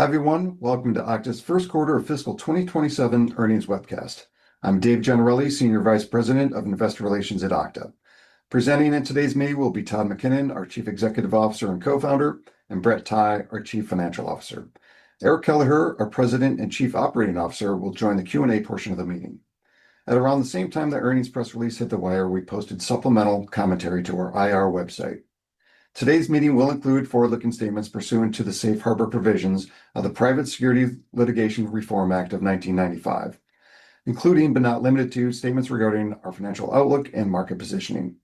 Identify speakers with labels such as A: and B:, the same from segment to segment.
A: Hi, everyone. Welcome to Okta's First Quarter of Fiscal 2027 Earnings Webcast. I'm Dave Gennarelli, Senior Vice President of Investor Relations at Okta. Presenting in today's meet will be Todd McKinnon, our Chief Executive Officer and Co-Founder, and Brett Tighe, our Chief Financial Officer. Eric Kelleher, our President and Chief Operating Officer, will join the Q&A portion of the meeting. At around the same time the earnings press release hit the wire, we posted supplemental commentary to our IR website. Today's meeting will include forward-looking statements pursuant to the safe harbor provisions of the Private Securities Litigation Reform Act of 1995, including but not limited to, statements regarding our financial outlook and market positioning.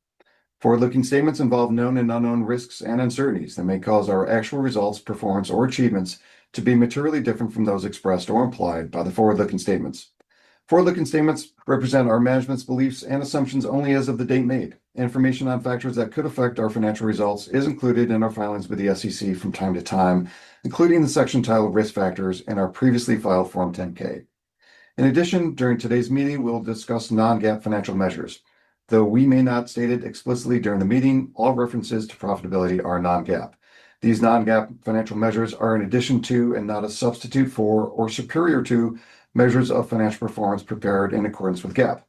A: Forward-looking statements involve known and unknown risks and uncertainties that may cause our actual results, performance, or achievements to be materially different from those expressed or implied by the forward-looking statements. Forward-looking statements represent our management's beliefs and assumptions only as of the date made. Information on factors that could affect our financial results is included in our filings with the SEC from time to time, including the section titled Risk Factors in our previously filed Form 10-K. During today's meeting, we'll discuss non-GAAP financial measures. Though we may not state it explicitly during the meeting, all references to profitability are non-GAAP. These non-GAAP financial measures are in addition to and not a substitute for or superior to measures of financial performance prepared in accordance with GAAP.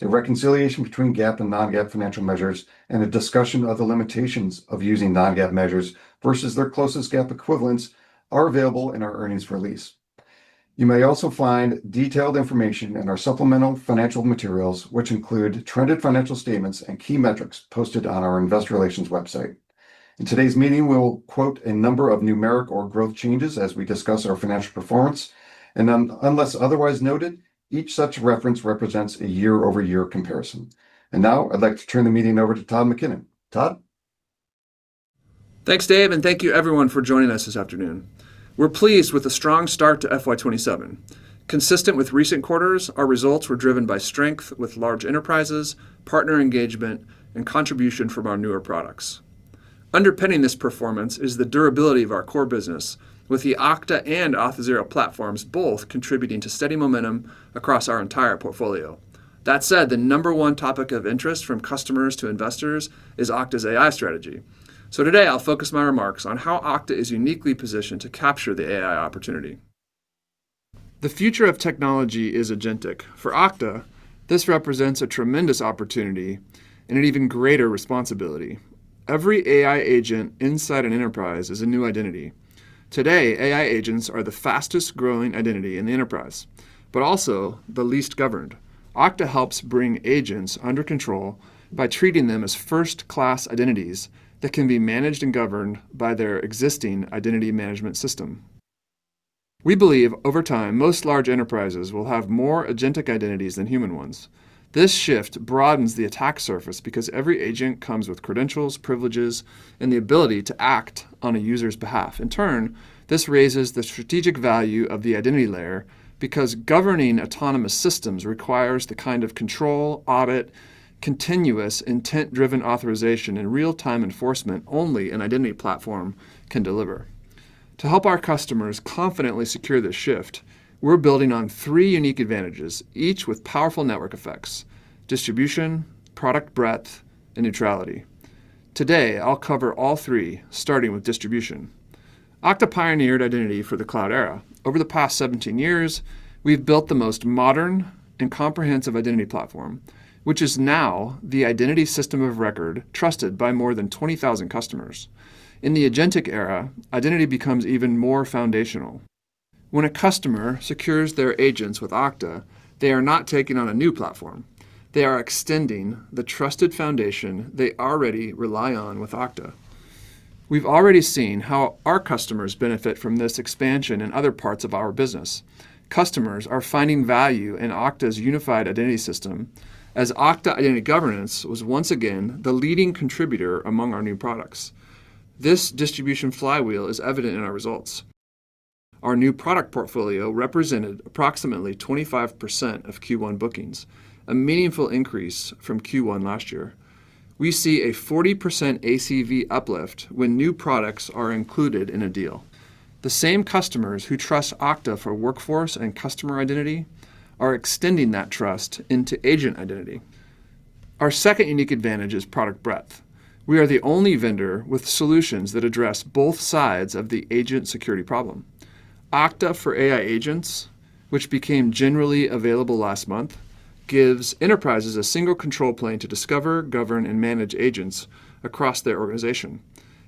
A: The reconciliation between GAAP and non-GAAP financial measures and a discussion of the limitations of using non-GAAP measures versus their closest GAAP equivalents are available in our earnings release. You may also find detailed information in our supplemental financial materials, which include trended financial statements and key metrics posted on our Investor Relations website. In today's meeting, we'll quote a number of numeric or growth changes as we discuss our financial performance, unless otherwise noted, each such reference represents a year-over-year comparison. Now I'd like to turn the meeting over to Todd McKinnon. Todd?
B: Thanks, Dave, thank you everyone for joining us this afternoon. We're pleased with the strong start to FY 2027. Consistent with recent quarters, our results were driven by strength with large enterprises, partner engagement, and contribution from our newer products. Underpinning this performance is the durability of our core business with the Okta and Auth0 platforms both contributing to steady momentum across our entire portfolio. That said, the number one topic of interest from customers to investors is Okta's AI strategy. Today I'll focus my remarks on how Okta is uniquely positioned to capture the AI opportunity. The future of technology is agentic. For Okta, this represents a tremendous opportunity and an even greater responsibility. Every AI agent inside an enterprise is a new identity. Today, AI agents are the fastest-growing identity in the enterprise, but also the least governed. Okta helps bring agents under control by treating them as first-class identities that can be managed and governed by their existing identity management system. We believe over time, most large enterprises will have more agentic identities than human ones. This shift broadens the attack surface because every agent comes with credentials, privileges, and the ability to act on a user's behalf. In turn, this raises the strategic value of the identity layer because governing autonomous systems requires the kind of control, audit, continuous intent-driven authorization, and real-time enforcement only an identity platform can deliver. To help our customers confidently secure this shift, we're building on three unique advantages, each with powerful network effects: distribution, product breadth, and neutrality. Today, I'll cover all three, starting with distribution. Okta pioneered identity for the cloud era. Over the past 17 years, we've built the most modern and comprehensive identity platform, which is now the identity system of record trusted by more than 20,000 customers. In the agentic era, identity becomes even more foundational. When a customer secures their agents with Okta, they are not taking on a new platform. They are extending the trusted foundation they already rely on with Okta. We've already seen how our customers benefit from this expansion in other parts of our business. Customers are finding value in Okta's unified identity system as Okta Identity Governance was once again the leading contributor among our new products. This distribution flywheel is evident in our results. Our new product portfolio represented approximately 25% of Q1 bookings, a meaningful increase from Q1 last year. We see a 40% ACV uplift when new products are included in a deal. The same customers who trust Okta for workforce and customer identity are extending that trust into agent identity. Our second unique advantage is product breadth. We are the only vendor with solutions that address both sides of the agent security problem. Okta for AI Agents, which became generally available last month, gives enterprises a single control plane to discover, govern, and manage agents across their organization.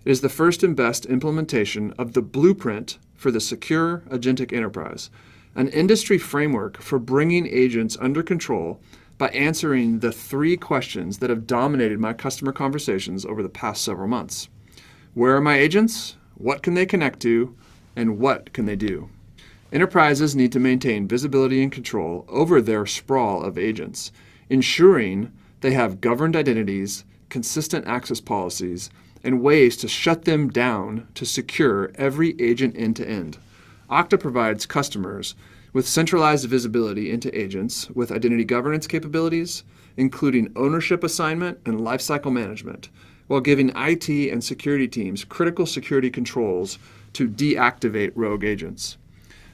B: It is the first and best implementation of the blueprint for the secure agentic enterprise, an industry framework for bringing agents under control by answering the three questions that have dominated my customer conversations over the past several months. Where are my agents? What can they connect to, and what can they do? Enterprises need to maintain visibility and control over their sprawl of agents, ensuring they have governed identities, consistent access policies, and ways to shut them down to secure every agent end-to-end. Okta provides customers with centralized visibility into agents with identity governance capabilities, including ownership assignment and lifecycle management, while giving IT and security teams critical security controls to deactivate rogue agents.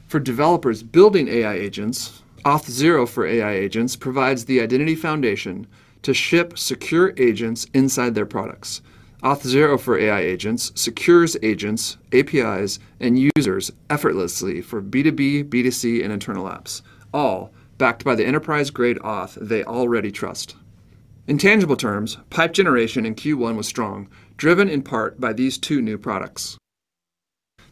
B: For developers building AI agents, Auth0 for AI Agents provides the identity foundation to ship secure agents inside their products. Auth0 for AI Agents secures agents, APIs, and users effortlessly for B2B, B2C, and internal apps, all backed by the enterprise-grade auth they already trust. In tangible terms, pipe generation in Q1 was strong, driven in part by these two new products.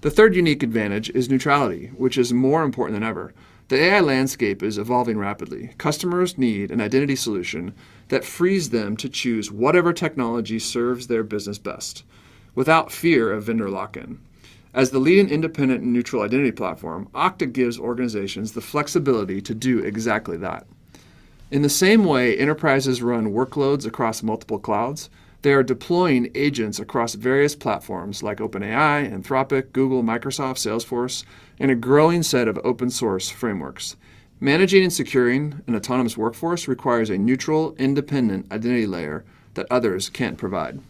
B: The third unique advantage is neutrality, which is more important than ever. The AI landscape is evolving rapidly. Customers need an identity solution that frees them to choose whatever technology serves their business best without fear of vendor lock-in. As the leading independent and neutral identity platform, Okta gives organizations the flexibility to do exactly that. In the same way enterprises run workloads across multiple clouds, they are deploying agents across various platforms like OpenAI, Anthropic, Google, Microsoft, Salesforce, and a growing set of open source frameworks. Managing and securing an autonomous workforce requires a neutral, independent identity layer that others can't provide.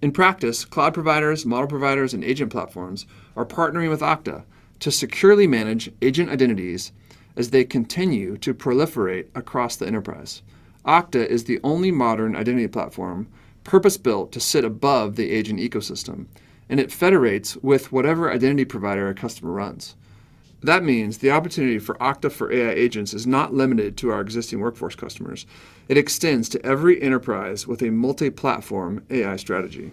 B: In practice, cloud providers, model providers, and agent platforms are partnering with Okta to securely manage agent identities as they continue to proliferate across the enterprise. Okta is the only modern identity platform purpose-built to sit above the agent ecosystem, and it federates with whatever identity provider a customer runs. That means the opportunity for Okta for AI Agents is not limited to our existing workforce customers. It extends to every enterprise with a multi-platform AI strategy.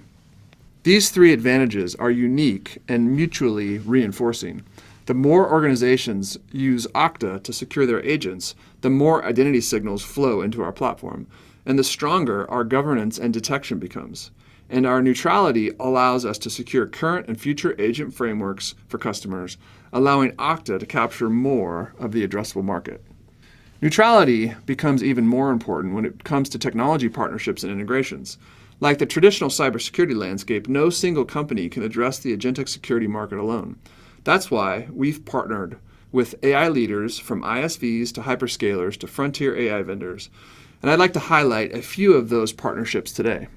B: These three advantages are unique and mutually reinforcing. The more organizations use Okta to secure their agents, the more identity signals flow into our platform, the stronger our governance and detection becomes. Our neutrality allows us to secure current and future agent frameworks for customers, allowing Okta to capture more of the addressable market. Neutrality becomes even more important when it comes to technology partnerships and integrations. Like the traditional cybersecurity landscape, no single company can address the agentic security market alone. That's why we've partnered with AI leaders, from ISVs to hyperscalers to frontier AI vendors, and I'd like to highlight a few of those partnerships today.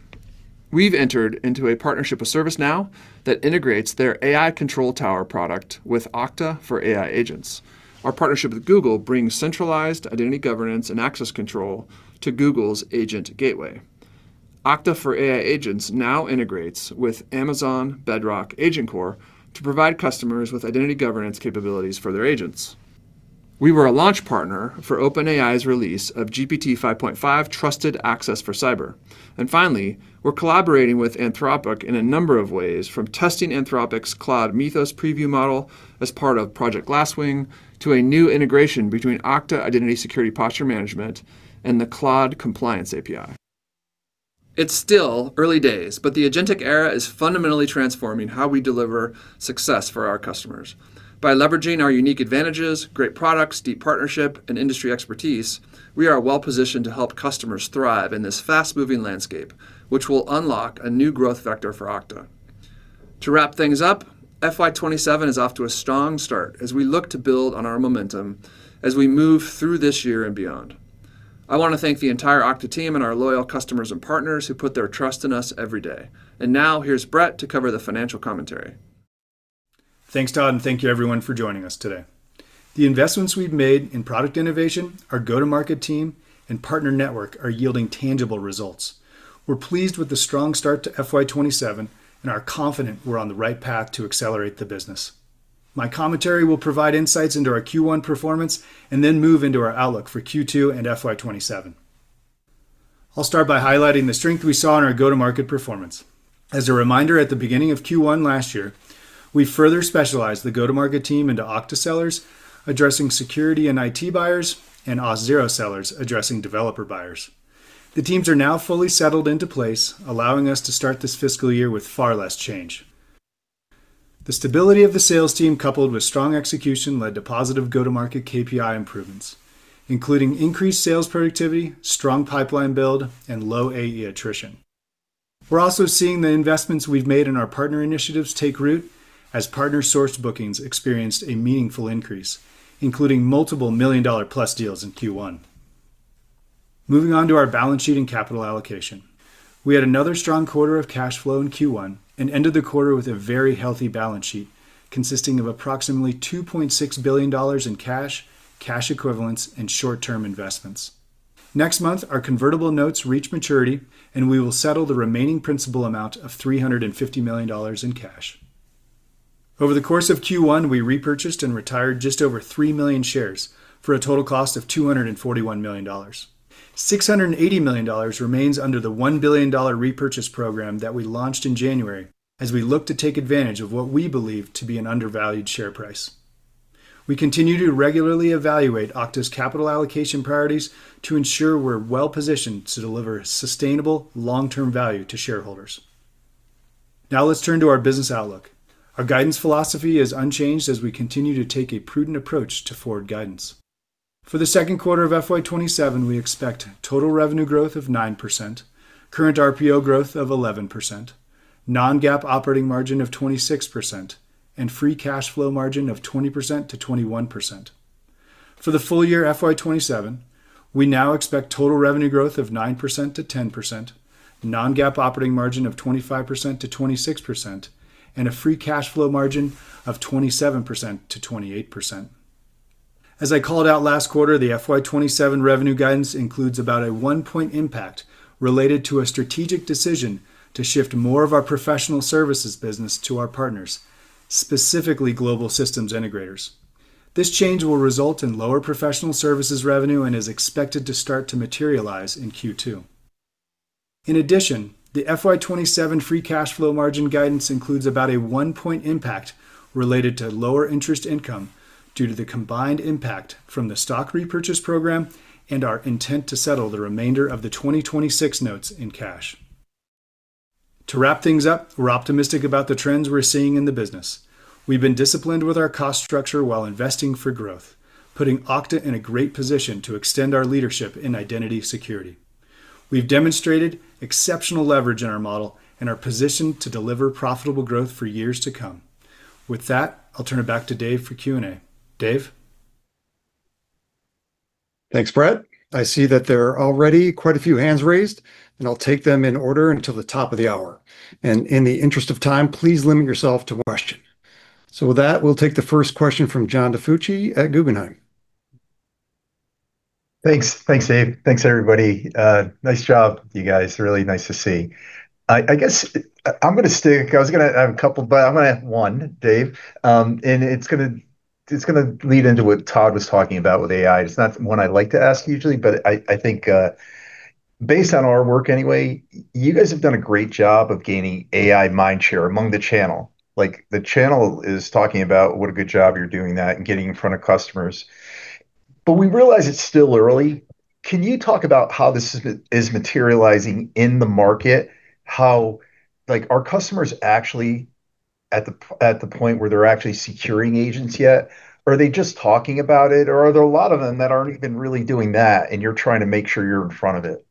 B: We've entered into a partnership with ServiceNow that integrates their AI Control Tower product with Okta for AI Agents. Our partnership with Google brings centralized identity governance and access control to Google's Agent Gateway. Okta for AI Agents now integrates with Amazon Bedrock AgentCore to provide customers with identity governance capabilities for their agents. We were a launch partner for OpenAI's release of GPT-5.5 Trusted Access for Cyber. Finally, we're collaborating with Anthropic in a number of ways, from testing Anthropic's Claude Mythos preview model as part of Project Glasswing to a new integration between Okta Identity Security Posture Management and the Claude Compliance API. It's still early days, but the agentic era is fundamentally transforming how we deliver success for our customers. By leveraging our unique advantages, great products, deep partnership, and industry expertise, we are well positioned to help customers thrive in this fast-moving landscape, which will unlock a new growth vector for Okta. To wrap things up, FY 2027 is off to a strong start as we look to build on our momentum as we move through this year and beyond. I want to thank the entire Okta team and our loyal customers and partners who put their trust in us every day. Now, here's Brett to cover the financial commentary.
C: Thanks, Todd. Thank you, everyone, for joining us today. The investments we've made in product innovation, our go-to-market team, and partner network are yielding tangible results. We're pleased with the strong start to FY 2027 and are confident we're on the right path to accelerate the business. My commentary will provide insights into our Q1 performance and then move into our outlook for Q2 and FY 2027. I'll start by highlighting the strength we saw in our go-to-market performance. As a reminder, at the beginning of Q1 last year, we further specialized the go-to-market team into Okta sellers, addressing security and IT buyers, and Auth0 sellers, addressing developer buyers. The teams are now fully settled into place, allowing us to start this fiscal year with far less change. The stability of the sales team, coupled with strong execution, led to positive go-to-market KPI improvements, including increased sales productivity, strong pipeline build, and low AE attrition. We're also seeing the investments we've made in our partner initiatives take root as partner source bookings experienced a meaningful increase, including multiple million-dollar-plus deals in Q1. Moving on to our balance sheet and capital allocation. We had another strong quarter of cash flow in Q1 and ended the quarter with a very healthy balance sheet consisting of approximately $2.6 billion in cash equivalents, and short-term investments. Next month, our convertible notes reach maturity, and we will settle the remaining principal amount of $350 million in cash. Over the course of Q1, we repurchased and retired just over 3 million shares for a total cost of $241 million. $680 million remains under the $1 billion repurchase program that we launched in January as we look to take advantage of what we believe to be an undervalued share price. We continue to regularly evaluate Okta's capital allocation priorities to ensure we're well-positioned to deliver sustainable long-term value to shareholders. Let's turn to our business outlook. Our guidance philosophy is unchanged as we continue to take a prudent approach to forward guidance. For the second quarter of FY 2027, we expect total revenue growth of 9%, current RPO growth of 11%, non-GAAP operating margin of 26%, and free cash flow margin of 20%-21%. For the full year FY 2027, we now expect total revenue growth of 9%-10%, non-GAAP operating margin of 25%-26%, and a free cash flow margin of 27%-28%. As I called out last quarter, the FY 2027 revenue guidance includes about a 1 point impact related to a strategic decision to shift more of our professional services business to our partners, specifically global systems integrators. This change will result in lower professional services revenue and is expected to start to materialize in Q2. The FY 2027 free cash flow margin guidance includes about a 1 point impact related to lower interest income due to the combined impact from the stock repurchase program and our intent to settle the remainder of the 2026 notes in cash. To wrap things up, we're optimistic about the trends we're seeing in the business. We've been disciplined with our cost structure while investing for growth, putting Okta in a great position to extend our leadership in identity security. We've demonstrated exceptional leverage in our model and are positioned to deliver profitable growth for years to come. With that, I'll turn it back to Dave for Q&A. Dave?
A: Thanks, Brett. I see that there are already quite a few hands raised, and I'll take them in order until the top of the hour. In the interest of time, please limit yourself to one question. With that, we'll take the first question from John DiFucci at Guggenheim.
D: Thanks. Thanks, Dave. Thanks, everybody. Nice job, you guys. Really nice to see. I guess I have a couple. I'm going to have one, Dave, and it's going to lead into what Todd was talking about with AI. It's not one I like to ask usually, but I think based on our work anyway, you guys have done a great job of gaining AI mind share among the channel. The channel is talking about what a good job you're doing that and getting in front of customers. We realize it's still early. Can you talk about how this is materializing in the market? Are customers actually at the point where they're actually securing agents yet? Are they just talking about it, or are there a lot of them that aren't even really doing that and you're trying to make sure you're in front of it?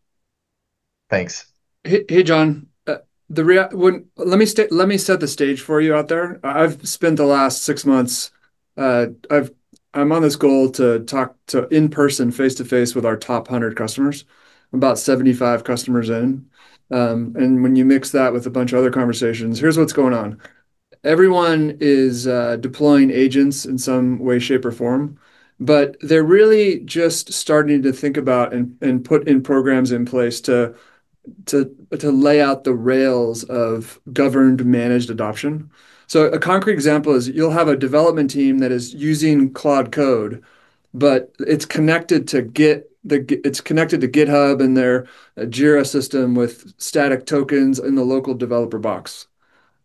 D: Thanks.
B: Hey, John. Let me set the stage for you out there. I've spent the last six months, I'm on this goal to talk to in-person, face-to-face with our top 100 customers, about 75 customers in. When you mix that with a bunch of other conversations, here's what's going on. Everyone is deploying agents in some way, shape, or form, but they're really just starting to think about and put in programs in place to lay out the rails of governed, managed adoption. A concrete example is you'll have a development team that is using Claude Code, but it's connected to GitHub and their Jira system with static tokens in the local developer box.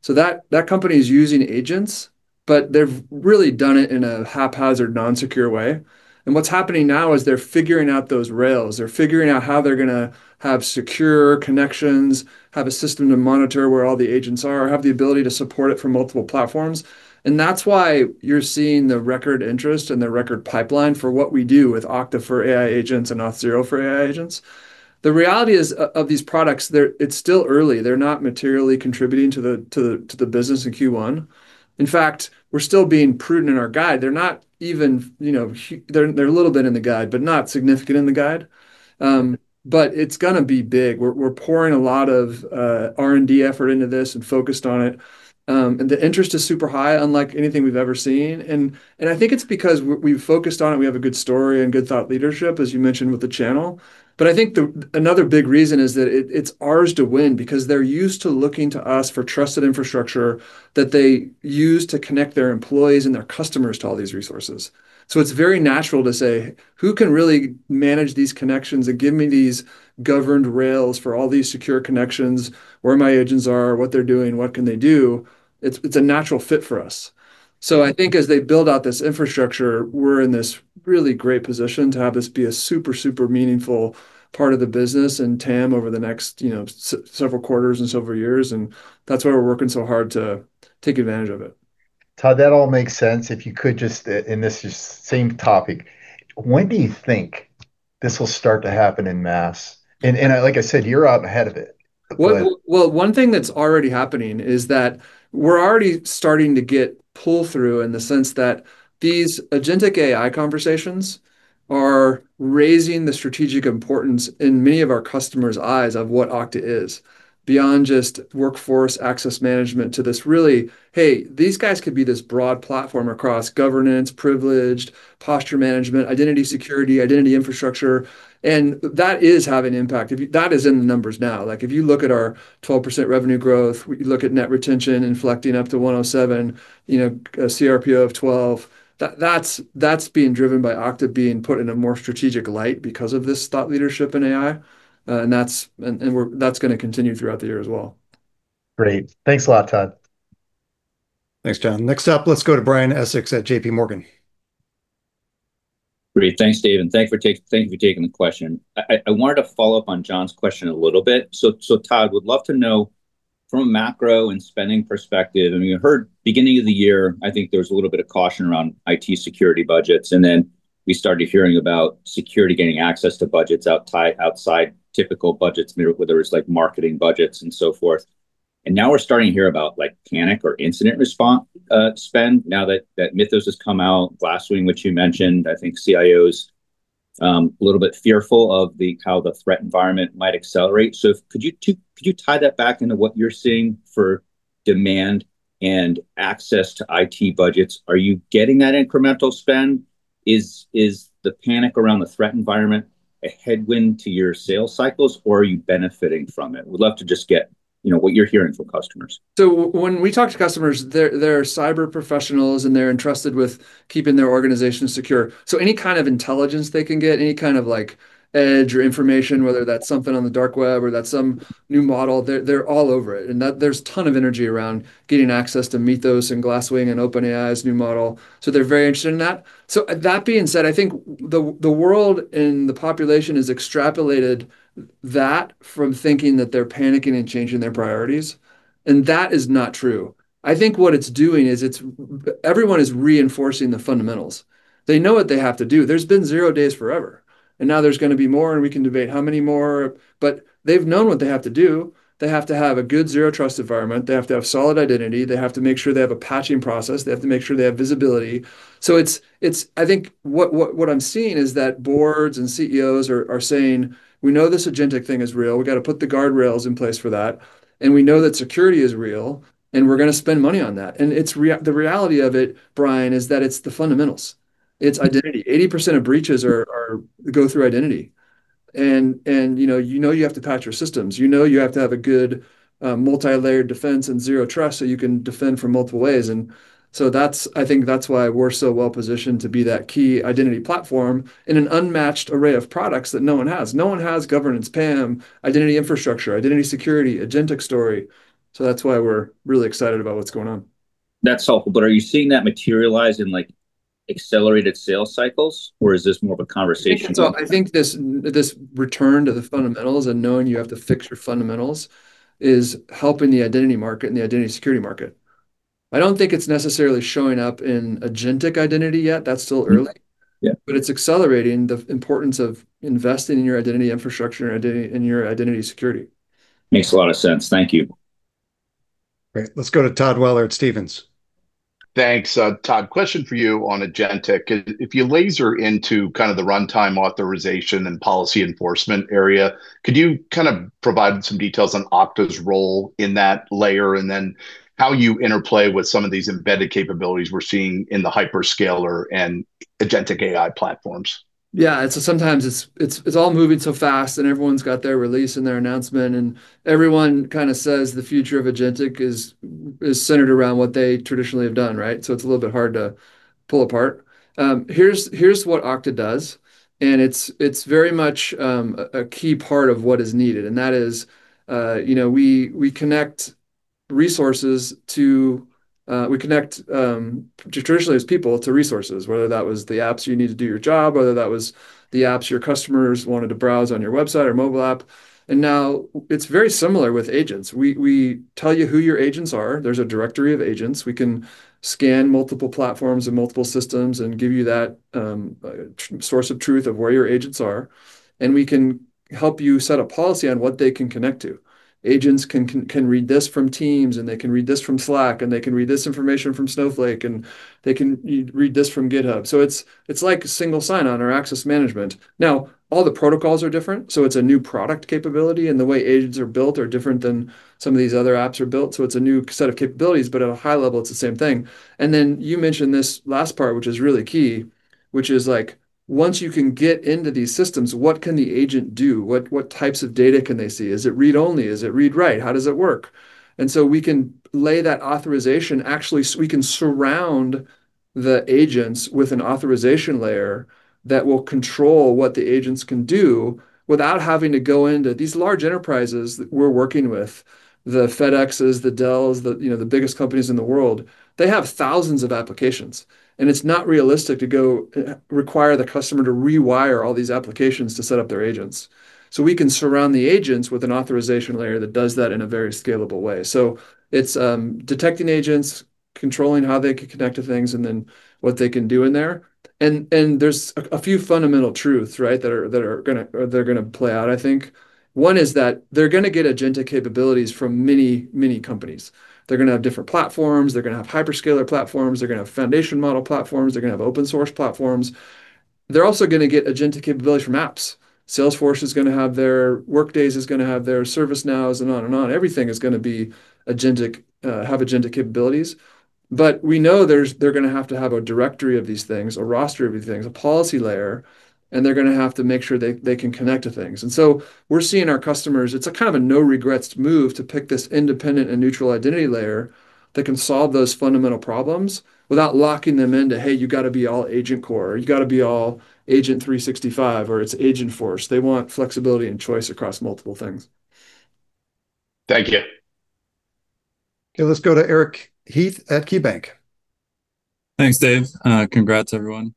B: That company is using agents, but they've really done it in a haphazard, non-secure way. What's happening now is they're figuring out those rails. They're figuring out how they're going to have secure connections, have a system to monitor where all the agents are, have the ability to support it from multiple platforms. That's why you're seeing the record interest and the record pipeline for what we do with Okta for AI Agents and Auth0 for AI Agents. The reality of these products, it's still early. They're not materially contributing to the business in Q1. In fact, we're still being prudent in our guide. They're a little bit in the guide, but not significant in the guide. It's going to be big. We're pouring a lot of R&D effort into this and focused on it. The interest is super high, unlike anything we've ever seen. I think it's because we've focused on it. We have a good story and good thought leadership, as you mentioned with the channel. I think another big reason is that it's ours to win because they're used to looking to us for trusted infrastructure that they use to connect their employees and their customers to all these resources. It's very natural to say, Who can really manage these connections and give me these governed rails for all these secure connections, where my agents are, what they're doing, what can they do? It's a natural fit for us. I think as they build out this infrastructure, we're in this really great position to have this be a super meaningful part of the business and TAM over the next several quarters and several years, and that's why we're working so hard to take advantage of it.
D: Todd, that all makes sense. If you could just, in this same topic, when do you think this will start to happen en masse? Like I said, you're out ahead of it.
B: Well, one thing that's already happening is that we're already starting to get pull-through in the sense that these agentic AI conversations are raising the strategic importance in many of our customers' eyes of what Okta is. Beyond just workforce access management to this really, hey, these guys could be this broad platform across governance, privileged, posture management, identity security, identity infrastructure, and that is having impact. That is in the numbers now. If you look at our 12% revenue growth, you look at net retention inflecting up to 107, a cRPO of 12, that's being driven by Okta being put in a more strategic light because of this thought leadership in AI, and that's going to continue throughout the year as well.
D: Great. Thanks a lot, Todd.
A: Thanks, John. Next up, let's go to Brian Essex at JPMorgan.
E: Great. Thanks, Dave, and thank you for taking the question. I wanted to follow up on John's question a little bit. Todd, would love to know from a macro and spending perspective, we heard beginning of the year, I think there was a little bit of caution around IT security budgets, and then we started hearing about security getting access to budgets outside typical budgets, whether it's marketing budgets and so forth. Now we're starting to hear about panic or incident spend now that Mythos has come out, Glasswing, which you mentioned, I think CIOs a little bit fearful of how the threat environment might accelerate. Could you tie that back into what you're seeing for demand and access to IT budgets? Are you getting that incremental spend? Is the panic around the threat environment a headwind to your sales cycles, or are you benefiting from it? Would love to just get what you're hearing from customers.
B: When we talk to customers, they're cyber professionals, and they're entrusted with keeping their organization secure. Any kind of intelligence they can get, any kind of edge or information, whether that's something on the dark web or that's some new model, they're all over it. There's ton of energy around getting access to Mythos and Glasswing and OpenAI's new model. They're very interested in that. That being said, I think the world and the population has extrapolated that from thinking that they're panicking and changing their priorities. That is not true. I think what it's doing is everyone is reinforcing the fundamentals. They know what they have to do. There's been zero days forever. Now there's going to be more, and we can debate how many more. They've known what they have to do. They have to have a good zero trust environment. They have to have solid identity. They have to make sure they have a patching process. They have to make sure they have visibility. I think what I'm seeing is that boards and CEOs are saying, "We know this agentic thing is real. We got to put the guardrails in place for that, and we know that security is real, and we're going to spend money on that." The reality of it, Brian, is that it's the fundamentals. It's identity. 80% of breaches go through identity, and you know you have to patch your systems. You know you have to have a good multi-layered defense and zero trust so you can defend from multiple ways. I think that's why we're so well positioned to be that key identity platform in an unmatched array of products that no one has. No one has governance, PAM, identity infrastructure, identity security, agentic story. That's why we're really excited about what's going on.
E: That's helpful. Are you seeing that materialize in accelerated sales cycles, or is this more of a conversation?
B: I think this return to the fundamentals and knowing you have to fix your fundamentals is helping the identity market and the identity security market. I don't think it's necessarily showing up in agentic identity yet. That's still early.
E: Yeah.
B: It's accelerating the importance of investing in your identity infrastructure and your identity security.
E: Makes a lot of sense. Thank you.
A: Great. Let's go to Todd Weller at Stephens.
F: Thanks. Todd, question for you on agentic. If you laser into kind of the runtime authorization and policy enforcement area, could you kind of provide some details on Okta's role in that layer? Then how you interplay with some of these embedded capabilities we're seeing in the hyperscaler and agentic AI platforms.
B: Yeah. Sometimes it's all moving so fast, and everyone's got their release and their announcement, and everyone kind of says the future of agentic is centered around what they traditionally have done, right? It's a little bit hard to pull apart. Here's what Okta does, and it's very much a key part of what is needed, and that is we connect traditionally as people to resources, whether that was the apps you need to do your job, whether that was the apps your customers wanted to browse on your website or mobile app. Now it's very similar with agents. We tell you who your agents are. There's a directory of agents. We can scan multiple platforms and multiple systems and give you that source of truth of where your agents are, and we can help you set a policy on what they can connect to. Agents can read this from Microsoft Teams, and they can read this from Slack, and they can read this information from Snowflake, and they can read this from GitHub. It's like single sign-on or access management. All the protocols are different, so it's a new product capability, and the way agents are built are different than some of these other apps are built. It's a new set of capabilities, but at a high level, it's the same thing. You mentioned this last part, which is really key, which is once you can get into these systems, what can the agent do? What types of data can they see? Is it read only? Is it read/write? How does it work? We can lay that authorization. Actually, we can surround the agents with an authorization layer that will control what the agents can do without having to go into these large enterprises that we're working with, the FedExes, the Dells, the biggest companies in the world. They have thousands of applications, and it's not realistic to go require the customer to rewire all these applications to set up their agents. We can surround the agents with an authorization layer that does that in a very scalable way. It's detecting agents, controlling how they can connect to things, and then what they can do in there. There's a few fundamental truths, right, that are going to play out, I think. One is that they're going to get agentic capabilities from many, many companies. They're going to have different platforms. They're going to have hyperscaler platforms. They're going to have foundation model platforms. They're going to have open source platforms. They're also going to get agentic capabilities from apps. Salesforce is going to have their, Workday is going to have their, ServiceNows and on and on. Everything is going to have agentic capabilities. We know they're going to have to have a directory of these things, a roster of these things, a policy layer, and they're going to have to make sure they can connect to things. We're seeing our customers, it's a kind of a no regrets move to pick this independent and neutral identity layer that can solve those fundamental problems without locking them into, hey, you got to be all AgentCore, or you got to be all Agent 365, or it's Agentforce. They want flexibility and choice across multiple things.
F: Thank you.
A: Okay, let's go to Eric Heath at KeyBanc.
G: Thanks, Dave. Congrats, everyone.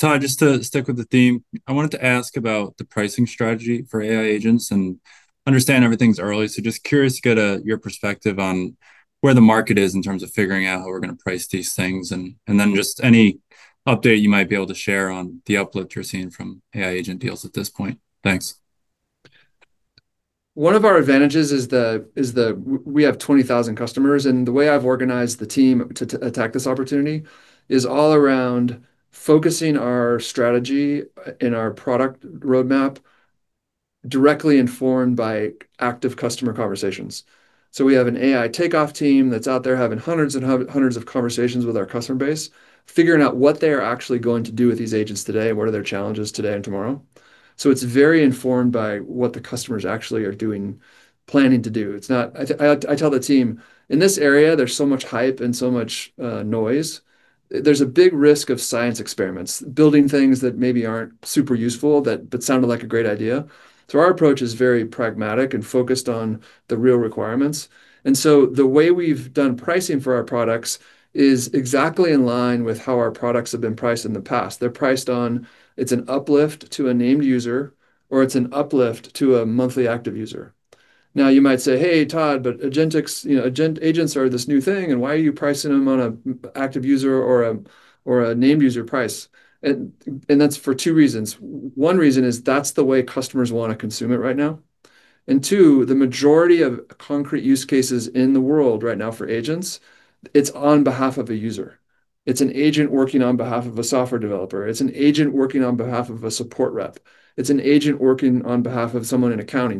G: Todd, just to stick with the theme, I wanted to ask about the pricing strategy for AI Agents and understand everything's early, so just curious to get your perspective on where the market is in terms of figuring out how we're going to price these things, and then just any update you might be able to share on the uplift you're seeing from AI Agent deals at this point. Thanks.
B: One of our advantages is that we have 20,000 customers. The way I've organized the team to attack this opportunity is all around focusing our strategy and our product roadmap directly informed by active customer conversations. We have an AI takeoff team that's out there having hundreds and hundreds of conversations with our customer base, figuring out what they are actually going to do with these agents today. What are their challenges today and tomorrow? It's very informed by what the customers actually are doing, planning to do. I tell the team, in this area, there's so much hype and so much noise. There's a big risk of science experiments, building things that maybe aren't super useful that sounded like a great idea. Our approach is very pragmatic and focused on the real requirements. The way we've done pricing for our products is exactly in line with how our products have been priced in the past. They're priced on, it's an uplift to a named user, or it's an uplift to a monthly active user. You might say, "Hey, Todd, agents are this new thing, and why are you pricing them on an active user or a named user price?" That's for two reasons. One reason is that's the way customers want to consume it right now. Two, the majority of concrete use cases in the world right now for agents, it's on behalf of a user. It's an agent working on behalf of a software developer. It's an agent working on behalf of a support rep. It's an agent working on behalf of someone in accounting.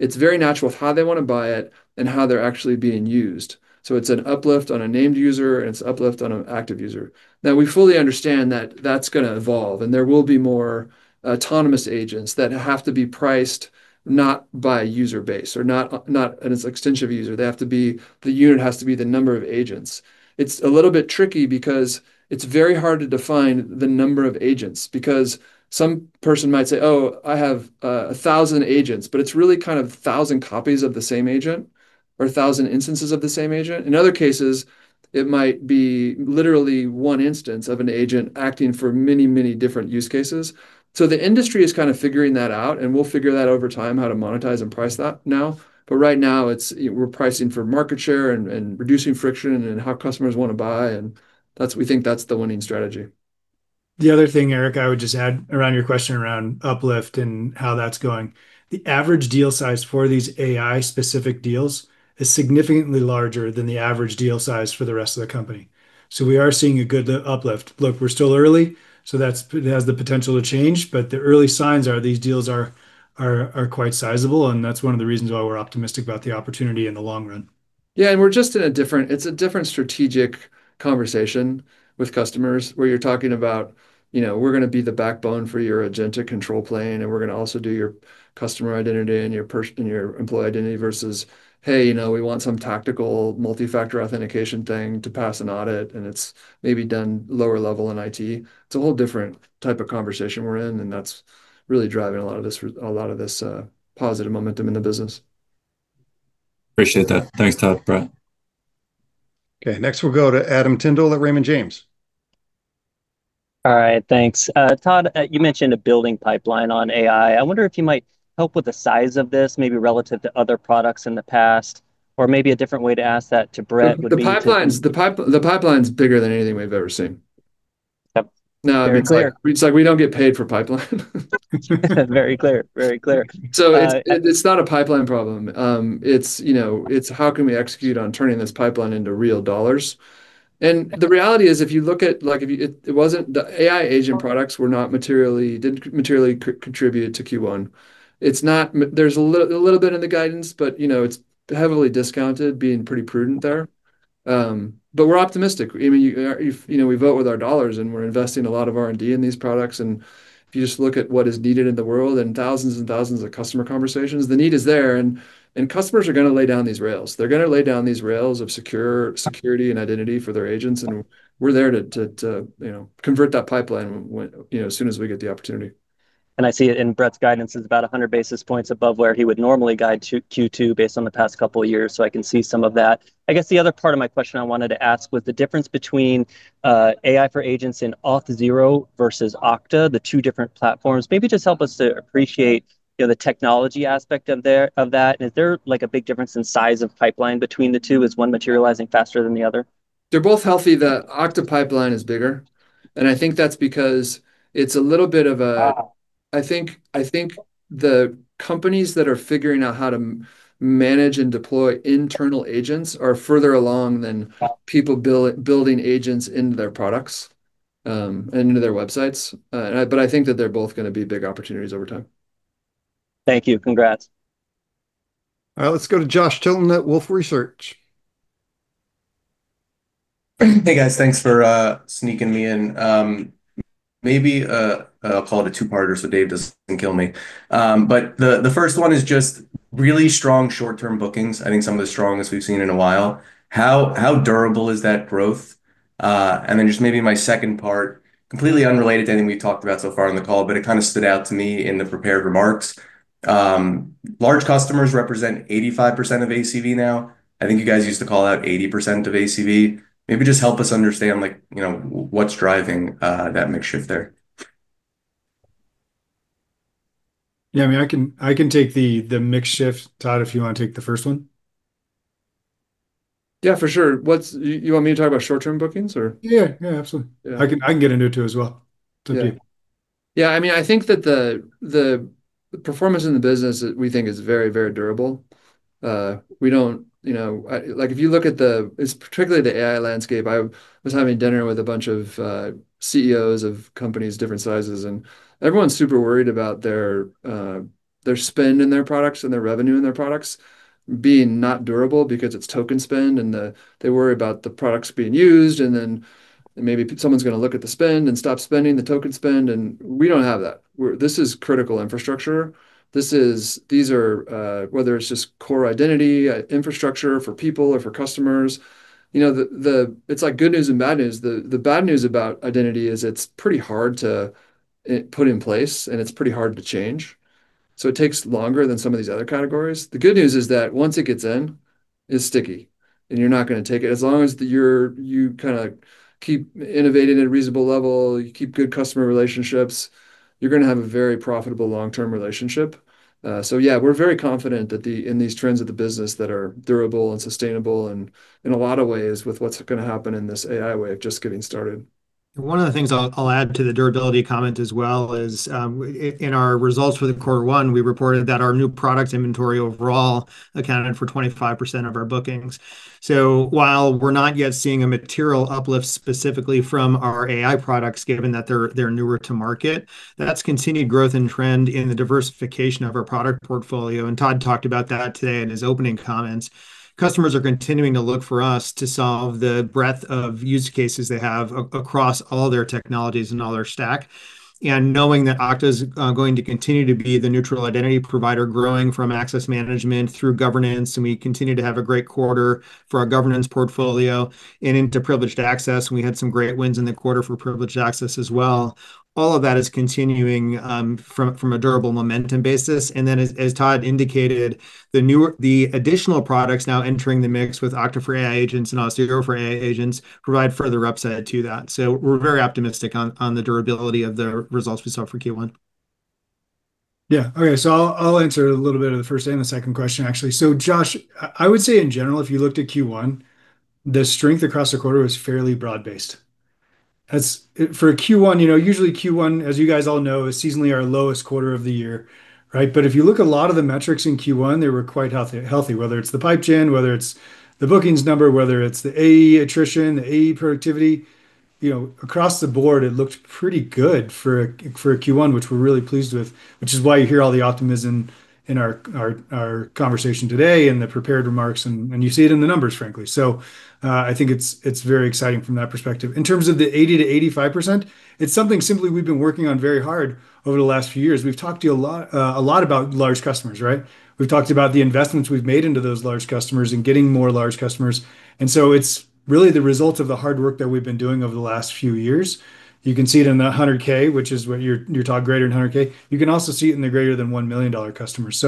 B: It's very natural with how they want to buy it and how they're actually being used. It's an uplift on a named user, and it's an uplift on an active user. We fully understand that that's going to evolve, and there will be more autonomous agents that have to be priced not by user base or not an extension of user. The unit has to be the number of agents. It's a little bit tricky because it's very hard to define the number of agents, because some person might say, "Oh, I have 1,000 agents," but it's really kind of 1,000 copies of the same agent or 1,000 instances of the same agent. In other cases, it might be literally one instance of an agent acting for many different use cases. The industry is kind of figuring that out, and we'll figure that over time how to monetize and price that now. Right now, we're pricing for market share and reducing friction in how customers want to buy, and we think that's the winning strategy.
C: The other thing, Eric, I would just add around your question around uplift and how that's going, the average deal size for these AI-specific deals is significantly larger than the average deal size for the rest of the company. We are seeing a good uplift. Look, we're still early, so that has the potential to change, but the early signs are these deals are quite sizable, and that's one of the reasons why we're optimistic about the opportunity in the long run.
B: It's a different strategic conversation with customers, where you're talking about we're going to be the backbone for your agentic control plane, and we're going to also do your customer identity and your employee identity versus, "Hey, we want some tactical multifactor authentication thing to pass an audit," and it's maybe done lower level in IT. It's a whole different type of conversation we're in, and that's really driving a lot of this positive momentum in the business.
G: Appreciate that. Thanks, Todd, Brett.
A: Okay, next we'll go to Adam Tindle at Raymond James.
H: All right. Thanks. Todd, you mentioned a building pipeline on AI. I wonder if you might help with the size of this, maybe relative to other products in the past, or maybe a different way to ask that to Brett would be to.
B: The pipeline's bigger than anything we've ever seen.
H: Yep. Very clear.
B: No, it's like we don't get paid for pipeline.
H: Very clear.
B: It's not a pipeline problem. It's how can we execute on turning this pipeline into real dollars? The reality is, the AI agent products didn't materially contribute to Q1. There's a little bit in the guidance, but it's heavily discounted, being pretty prudent there. We're optimistic. We vote with our dollars, and we're investing a lot of R&D in these products, and if you just look at what is needed in the world and thousands and thousands of customer conversations, the need is there, and customers are going to lay down these rails. They're going to lay down these rails of security and identity for their agents, and we're there to convert that pipeline as soon as we get the opportunity.
H: I see it in Brett's guidance as about 100 basis points above where he would normally guide to Q2 based on the past couple of years, so I can see some of that. I guess the other part of my question I wanted to ask was the difference between AI for agents in Auth0 versus Okta, the two different platforms. Maybe just help us to appreciate the technology aspect of that. Is there a big difference in size of pipeline between the two? Is one materializing faster than the other?
B: They're both healthy. The Okta pipeline is bigger. I think that's because it's a little bit of I think the companies that are figuring out how to manage and deploy internal agents are further along than people building agents into their products and into their websites. I think that they're both going to be big opportunities over time.
H: Thank you. Congrats.
A: All right. Let's go to Josh Tilton at Wolfe Research.
I: Hey, guys. Thanks for sneaking me in. Maybe I'll call it a two-parter so Dave doesn't kill me. The first one is just really strong short-term bookings. I think some of the strongest we've seen in a while. How durable is that growth? Just maybe my second part, completely unrelated to anything we've talked about so far on the call, but it kind of stood out to me in the prepared remarks. Large customers represent 85% of ACV now. I think you guys used to call out 80% of ACV. Maybe just help us understand what's driving that mix shift there.
C: Yeah, I can take the mix shift, Todd, if you want to take the first one.
B: Yeah, for sure. You want me to talk about short-term bookings or-?
C: Yeah. Absolutely.
B: Yeah.
C: I can get into it too as well. It's okay.
B: Yeah, I think that the performance in the business that we think is very, very durable. If you look at the, it's particularly the AI landscape, I was having dinner with a bunch of CEOs of companies, different sizes, and everyone's super worried about their spend and their products and their revenue and their products being not durable because it's token spend, and they worry about the products being used, and then maybe someone's going to look at the spend and stop spending the token spend, and we don't have that. This is critical infrastructure. Whether it's just core identity, infrastructure for people or for customers. It's like good news and bad news. The bad news about identity is it's pretty hard to put in place, and it's pretty hard to change, so it takes longer than some of these other categories. The good news is that once it gets in, it's sticky, and you're not going to take it. As long as you keep innovating at a reasonable level, you keep good customer relationships, you're going to have a very profitable long-term relationship. Yeah, we're very confident in these trends of the business that are durable and sustainable and in a lot of ways with what's going to happen in this AI wave just getting started.
J: One of the things I'll add to the durability comment as well is, in our results for the quarter one, we reported that our new product inventory overall accounted for 25% of our bookings. While we're not yet seeing a material uplift specifically from our AI products, given that they're newer to market, that's continued growth and trend in the diversification of our product portfolio, and Todd talked about that today in his opening comments. Customers are continuing to look for us to solve the breadth of use cases they have across all their technologies and all their stack. Knowing that Okta's going to continue to be the neutral identity provider growing from access management through governance, and we continue to have a great quarter for our governance portfolio and into privileged access. We had some great wins in the quarter for privileged access as well. All of that is continuing from a durable momentum basis. As Todd indicated, the additional products now entering the mix with Okta for AI Agents and Auth0 for AI Agents provide further upside to that. We're very optimistic on the durability of the results we saw for Q1.
C: Yeah. Okay. I'll answer a little bit of the first and the second question, actually. Josh, I would say in general, if you looked at Q1, the strength across the quarter was fairly broad-based. For Q1, usually Q1, as you guys all know, is seasonally our lowest quarter of the year, right. If you look a lot of the metrics in Q1, they were quite healthy, whether it's the pipe gen, whether it's the bookings number, whether it's the AE attrition, the AE productivity. Across the board, it looked pretty good for a Q1, which we're really pleased with, which is why you hear all the optimism in our conversation today and the prepared remarks, and you see it in the numbers, frankly. I think it's very exciting from that perspective. In terms of the 80%-85%, it's something simply we've been working on very hard over the last few years. We've talked to you a lot about large customers, right? We've talked about the investments we've made into those large customers and getting more large customers, it's really the result of the hard work that we've been doing over the last few years. You can see it in the $100,000, which is your top greater than $100,000. You can also see it in the greater than $1 million customers.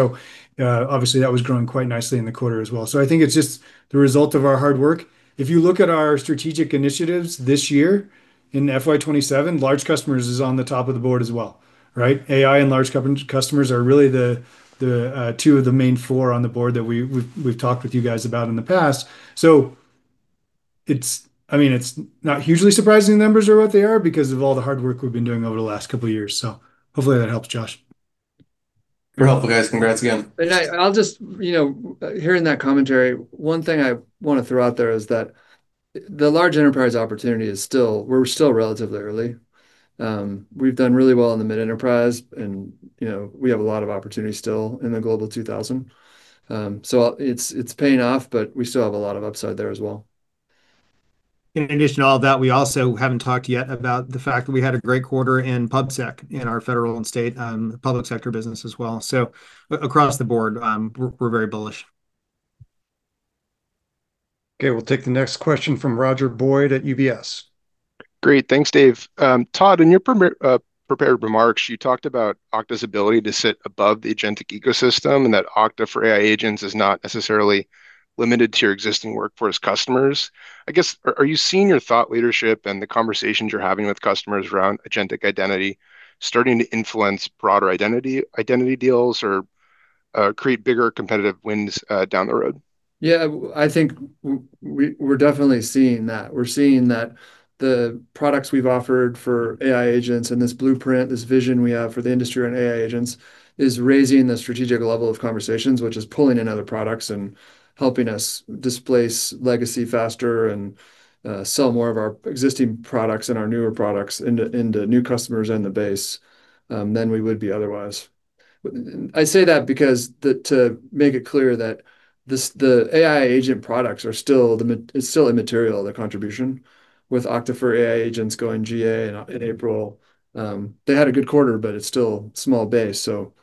C: Obviously, that was growing quite nicely in the quarter as well. I think it's just the result of our hard work. If you look at our strategic initiatives this year in FY 2027, large customers is on the top of the board as well, right? AI and large customers are really the two of the main four on the board that we've talked with you guys about in the past. It's not hugely surprising the numbers are what they are because of all the hard work we've been doing over the last couple of years, so hopefully that helps, Josh.
I: Very helpful, guys. Congrats again.
B: Hearing that commentary, one thing I want to throw out there is that the large enterprise opportunity, we're still relatively early. We've done really well in the mid-enterprise, and we have a lot of opportunity still in the Global 2000. It's paying off, but we still have a lot of upside there as well.
J: In addition to all that, we also haven't talked yet about the fact that we had a great quarter in PubSec, in our federal and state public sector business as well. Across the board, we're very bullish.
A: Okay, we'll take the next question from Roger Boyd at UBS.
K: Great. Thanks, Dave. Todd, in your prepared remarks, you talked about Okta's ability to sit above the agentic ecosystem and that Okta for AI Agents is not necessarily limited to your existing workforce customers. I guess, are you seeing your thought leadership and the conversations you're having with customers around agentic identity starting to influence broader identity deals, or create bigger competitive wins down the road?
B: I think we're definitely seeing that. We're seeing that the products we've offered for AI agents and this blueprint, this vision we have for the industry and AI agents, is raising the strategic level of conversations, which is pulling in other products and helping us displace legacy faster and sell more of our existing products and our newer products into new customers and the base than we would be otherwise. I say that because to make it clear that the AI agent products, it's still a material, their contribution, with Okta for AI agents going GA in April. They had a good quarter, but it's still small base, so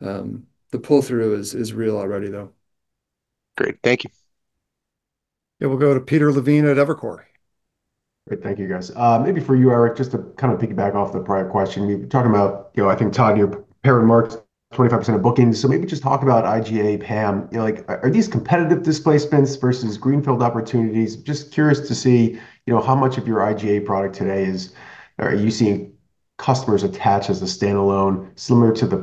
B: the pull-through is real already, though.
K: Great. Thank you.
A: Yeah, we'll go to Peter Levine at Evercore.
L: Great. Thank you, guys. Maybe for you, Eric, just to kind of piggyback off the prior question. You've been talking about, I think, Todd, your prepared remarks, 25% of bookings. Maybe just talk about IGA, PAM. Are these competitive displacements versus greenfield opportunities? Just curious to see how much of your IGA product today are you seeing customers attach as a standalone, similar to the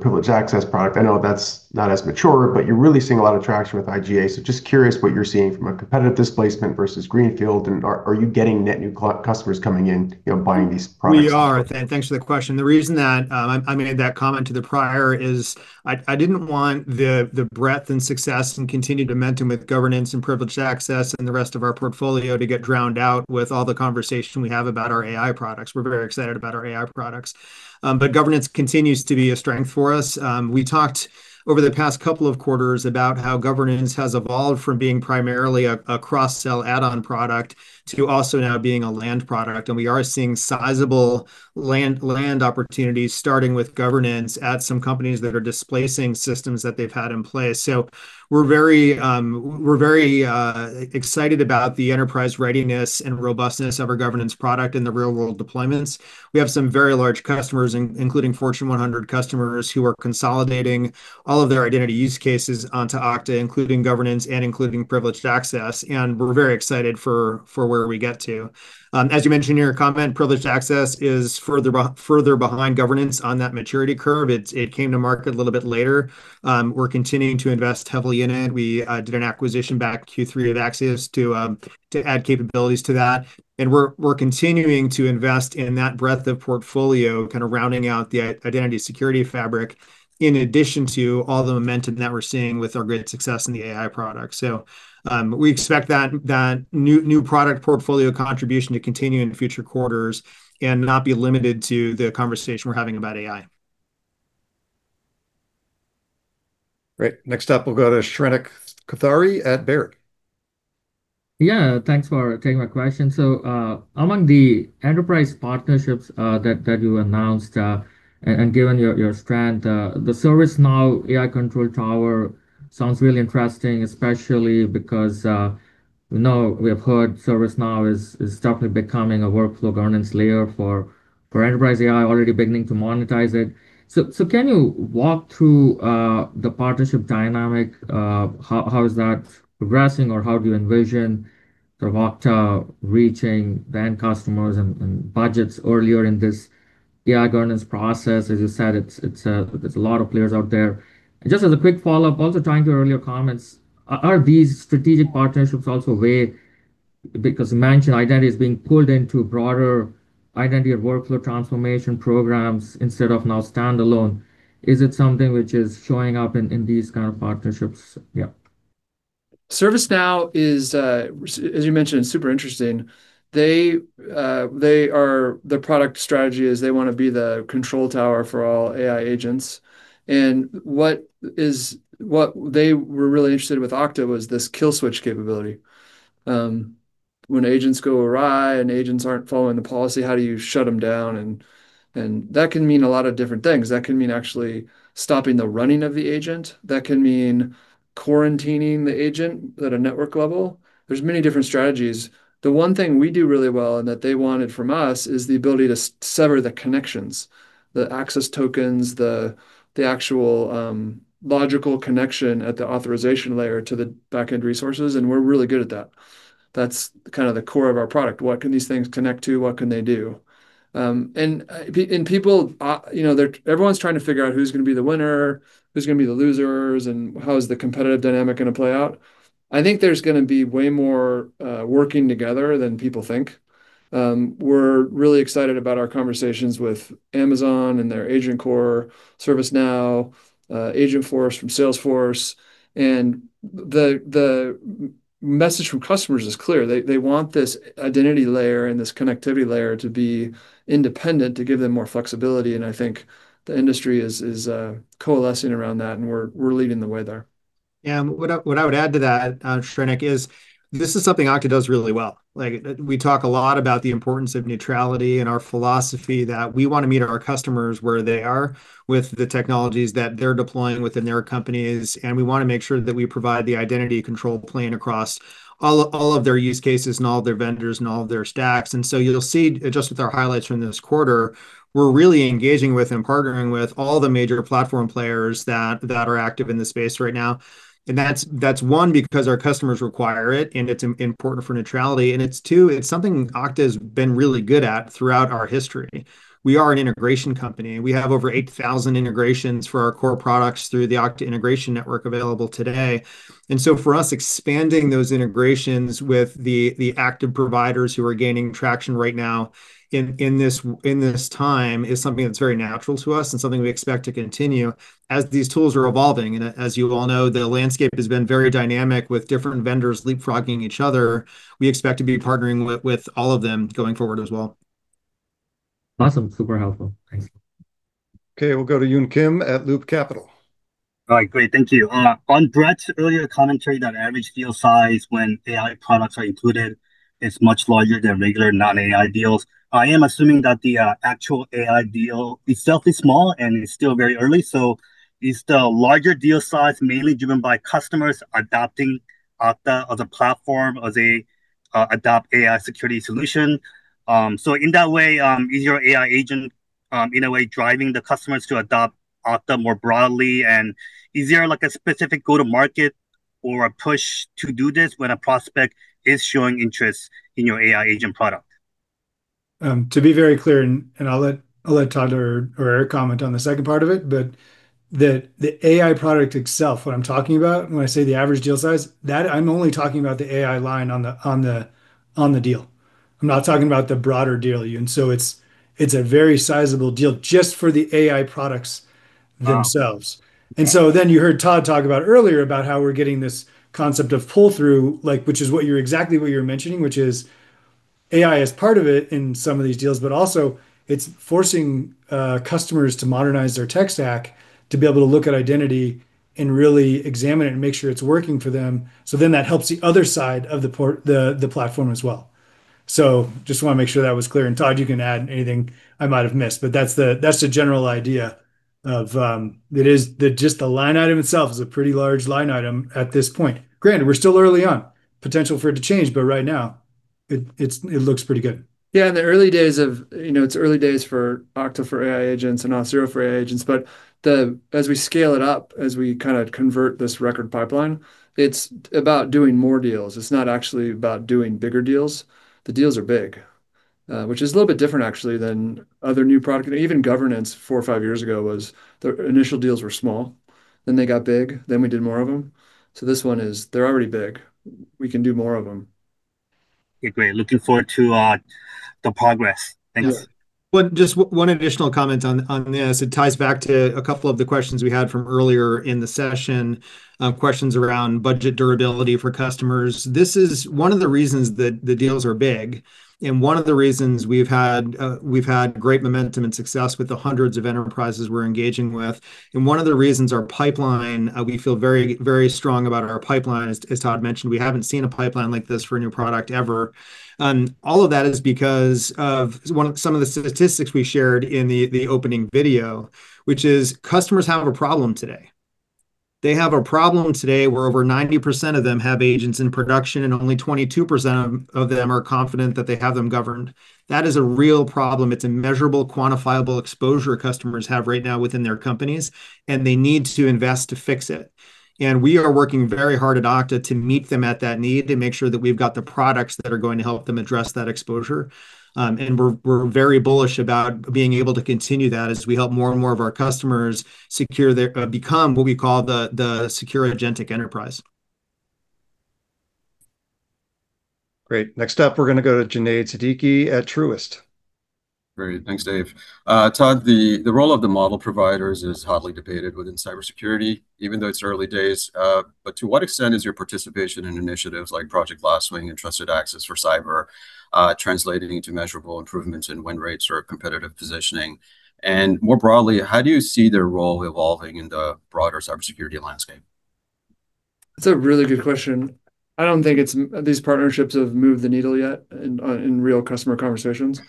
L: privileged access product. I know that's not as mature, but you're really seeing a lot of traction with IGA. Just curious what you're seeing from a competitive displacement versus greenfield, and are you getting net new customers coming in, buying these products?
J: We are, and thanks for the question. The reason that I made that comment to the prior is I didn't want the breadth and success and continued momentum with governance and privileged access and the rest of our portfolio to get drowned out with all the conversation we have about our AI products. We're very excited about our AI products. Governance continues to be a strength for us. We talked over the past couple of quarters about how governance has evolved from being primarily a cross-sell add-on product to also now being a land product. We are seeing sizable land opportunities starting with governance at some companies that are displacing systems that they've had in place. We're very excited about the enterprise readiness and robustness of our governance product in the real-world deployments. We have some very large customers, including Fortune 100 customers, who are consolidating all of their identity use cases onto Okta, including governance and including privileged access, and we're very excited for where we get to. As you mentioned in your comment, privileged access is further behind governance on that maturity curve. It came to market a little bit later. We're continuing to invest heavily in it. We did an acquisition back Q3 of Axiom to add capabilities to that, and we're continuing to invest in that breadth of portfolio, kind of rounding out the identity security fabric in addition to all the momentum that we're seeing with our great success in the AI product. We expect that new product portfolio contribution to continue in future quarters and not be limited to the conversation we're having about AI.
A: Great. Next up, we'll go to Shrenik Kothari at Baird.
M: Thanks for taking my question. Among the enterprise partnerships that you announced, and given your strength, the ServiceNow AI Control Tower sounds really interesting, especially because we have heard ServiceNow is definitely becoming a workflow governance layer for enterprise AI, already beginning to monetize it. Can you walk through the partnership dynamic? How is that progressing, or how do you envision Okta reaching then customers and budgets earlier in this AI governance process? As you said, there's a lot of players out there. Just as a quick follow-up, also tying to your earlier comments, are these strategic partnerships also where, because you mentioned identity is being pulled into broader identity or workflow transformation programs instead of now standalone, is it something which is showing up in these kind of partnerships?
B: ServiceNow is, as you mentioned, super interesting. Their product strategy is they want to be the control tower for all AI agents. What they were really interested with Okta was this kill switch capability. When agents go awry and agents aren't following the policy, how do you shut them down? That can mean a lot of different things. That can mean actually stopping the running of the agent. That can mean quarantining the agent at a network level. There's many different strategies. The one thing we do really well, and that they wanted from us, is the ability to sever the connections, the access tokens, the actual logical connection at the authorization layer to the back-end resources, and we're really good at that. That's kind of the core of our product. What can these things connect to? What can they do? Everyone's trying to figure out who's going to be the winner, who's going to be the losers, and how is the competitive dynamic going to play out. I think there's going to be way more working together than people think. We're really excited about our conversations with Amazon and their AgentCore, ServiceNow, Agentforce from Salesforce. The message from customers is clear. They want this identity layer and this connectivity layer to be independent, to give them more flexibility, and I think the industry is coalescing around that, and we're leading the way there.
J: What I would add to that, Shrenik, is this is something Okta does really well. We talk a lot about the importance of neutrality and our philosophy that we want to meet our customers where they are with the technologies that they're deploying within their companies, and we want to make sure that we provide the identity control plane across all of their use cases and all of their vendors and all of their stacks. You'll see just with our highlights from this quarter, we're really engaging with and partnering with all the major platform players that are active in the space right now. That's, one, because our customers require it, and it's important for neutrality, and it's two, it's something Okta's been really good at throughout our history. We are an integration company. We have over 8,000 integrations for our core products through the Okta Integration Network available today. For us, expanding those integrations with the active providers who are gaining traction right now in this time is something that's very natural to us and something we expect to continue as these tools are evolving. As you all know, the landscape has been very dynamic with different vendors leapfrogging each other. We expect to be partnering with all of them going forward as well.
M: Awesome. Super helpful. Thanks.
A: Okay, we'll go to Yun Kim at Loop Capital.
N: All right, great. Thank you. On Brett's earlier commentary, that average deal size when AI products are included is much larger than regular non-AI deals, I am assuming that the actual AI deal itself is small, and it's still very early. Is the larger deal size mainly driven by customers adopting Okta as a platform, as they adopt AI security solution? In that way, is your AI agent, in a way, driving the customers to adopt Okta more broadly, and is there a specific go-to-market or a push to do this when a prospect is showing interest in your AI agent product?
C: To be very clear, and I'll let Todd or Eric comment on the second part of it, but the AI product itself, what I'm talking about when I say the average deal size, that I'm only talking about the AI line on the deal. I'm not talking about the broader deal. It's a very sizable deal just for the AI products themselves.
N: Wow.
C: You heard Todd talk about earlier about how we're getting this concept of pull through, which is exactly what you're mentioning, which is AI is part of it in some of these deals, but also it's forcing customers to modernize their tech stack to be able to look at identity and really examine it and make sure it's working for them. That helps the other side of the platform as well. Just want to make sure that was clear, and Todd, you can add anything I might have missed, but that's the general idea of that just the line item itself is a pretty large line item at this point. Granted, we're still early on, potential for it to change, but right now it looks pretty good.
B: Yeah. In the early days, it's early days for Okta for AI agents and Auth0 for AI agents. As we scale it up, as we kind of convert this record pipeline, it's about doing more deals. It's not actually about doing bigger deals. The deals are big, which is a little bit different actually, than other new product. Even governance four or five years ago was the initial deals were small, then they got big, then we did more of them. This one is, they're already big. We can do more of them.
N: Okay, great. Looking forward to the progress. Thanks.
C: Sure.
J: Just one additional comment on this. It ties back to a couple of the questions we had from earlier in the session, questions around budget durability for customers. This is one of the reasons that the deals are big and one of the reasons we've had great momentum and success with the hundreds of enterprises we're engaging with, and one of the reasons our pipeline, we feel very strong about our pipeline, as Todd mentioned, we haven't seen a pipeline like this for a new product ever. All of that is because of some of the statistics we shared in the opening video, which is customers have a problem today. They have a problem today where over 90% of them have agents in production, and only 22% of them are confident that they have them governed. That is a real problem. It's a measurable, quantifiable exposure customers have right now within their companies, and they need to invest to fix it. We are working very hard at Okta to meet them at that need to make sure that we've got the products that are going to help them address that exposure. We're very bullish about being able to continue that as we help more and more of our customers become what we call the secure agentic enterprise.
A: Great. Next up, we're going to go to Junaid Siddiqui at Truist.
O: Great. Thanks, Dave. Todd, the role of the model providers is hotly debated within cybersecurity, even though it's early days. To what extent is your participation in initiatives like Project Lastline and Trusted Access for Cyber translating into measurable improvements in win rates or competitive positioning? More broadly, how do you see their role evolving in the broader cybersecurity landscape?
B: That's a really good question. I don't think these partnerships have moved the needle yet in real customer conversations.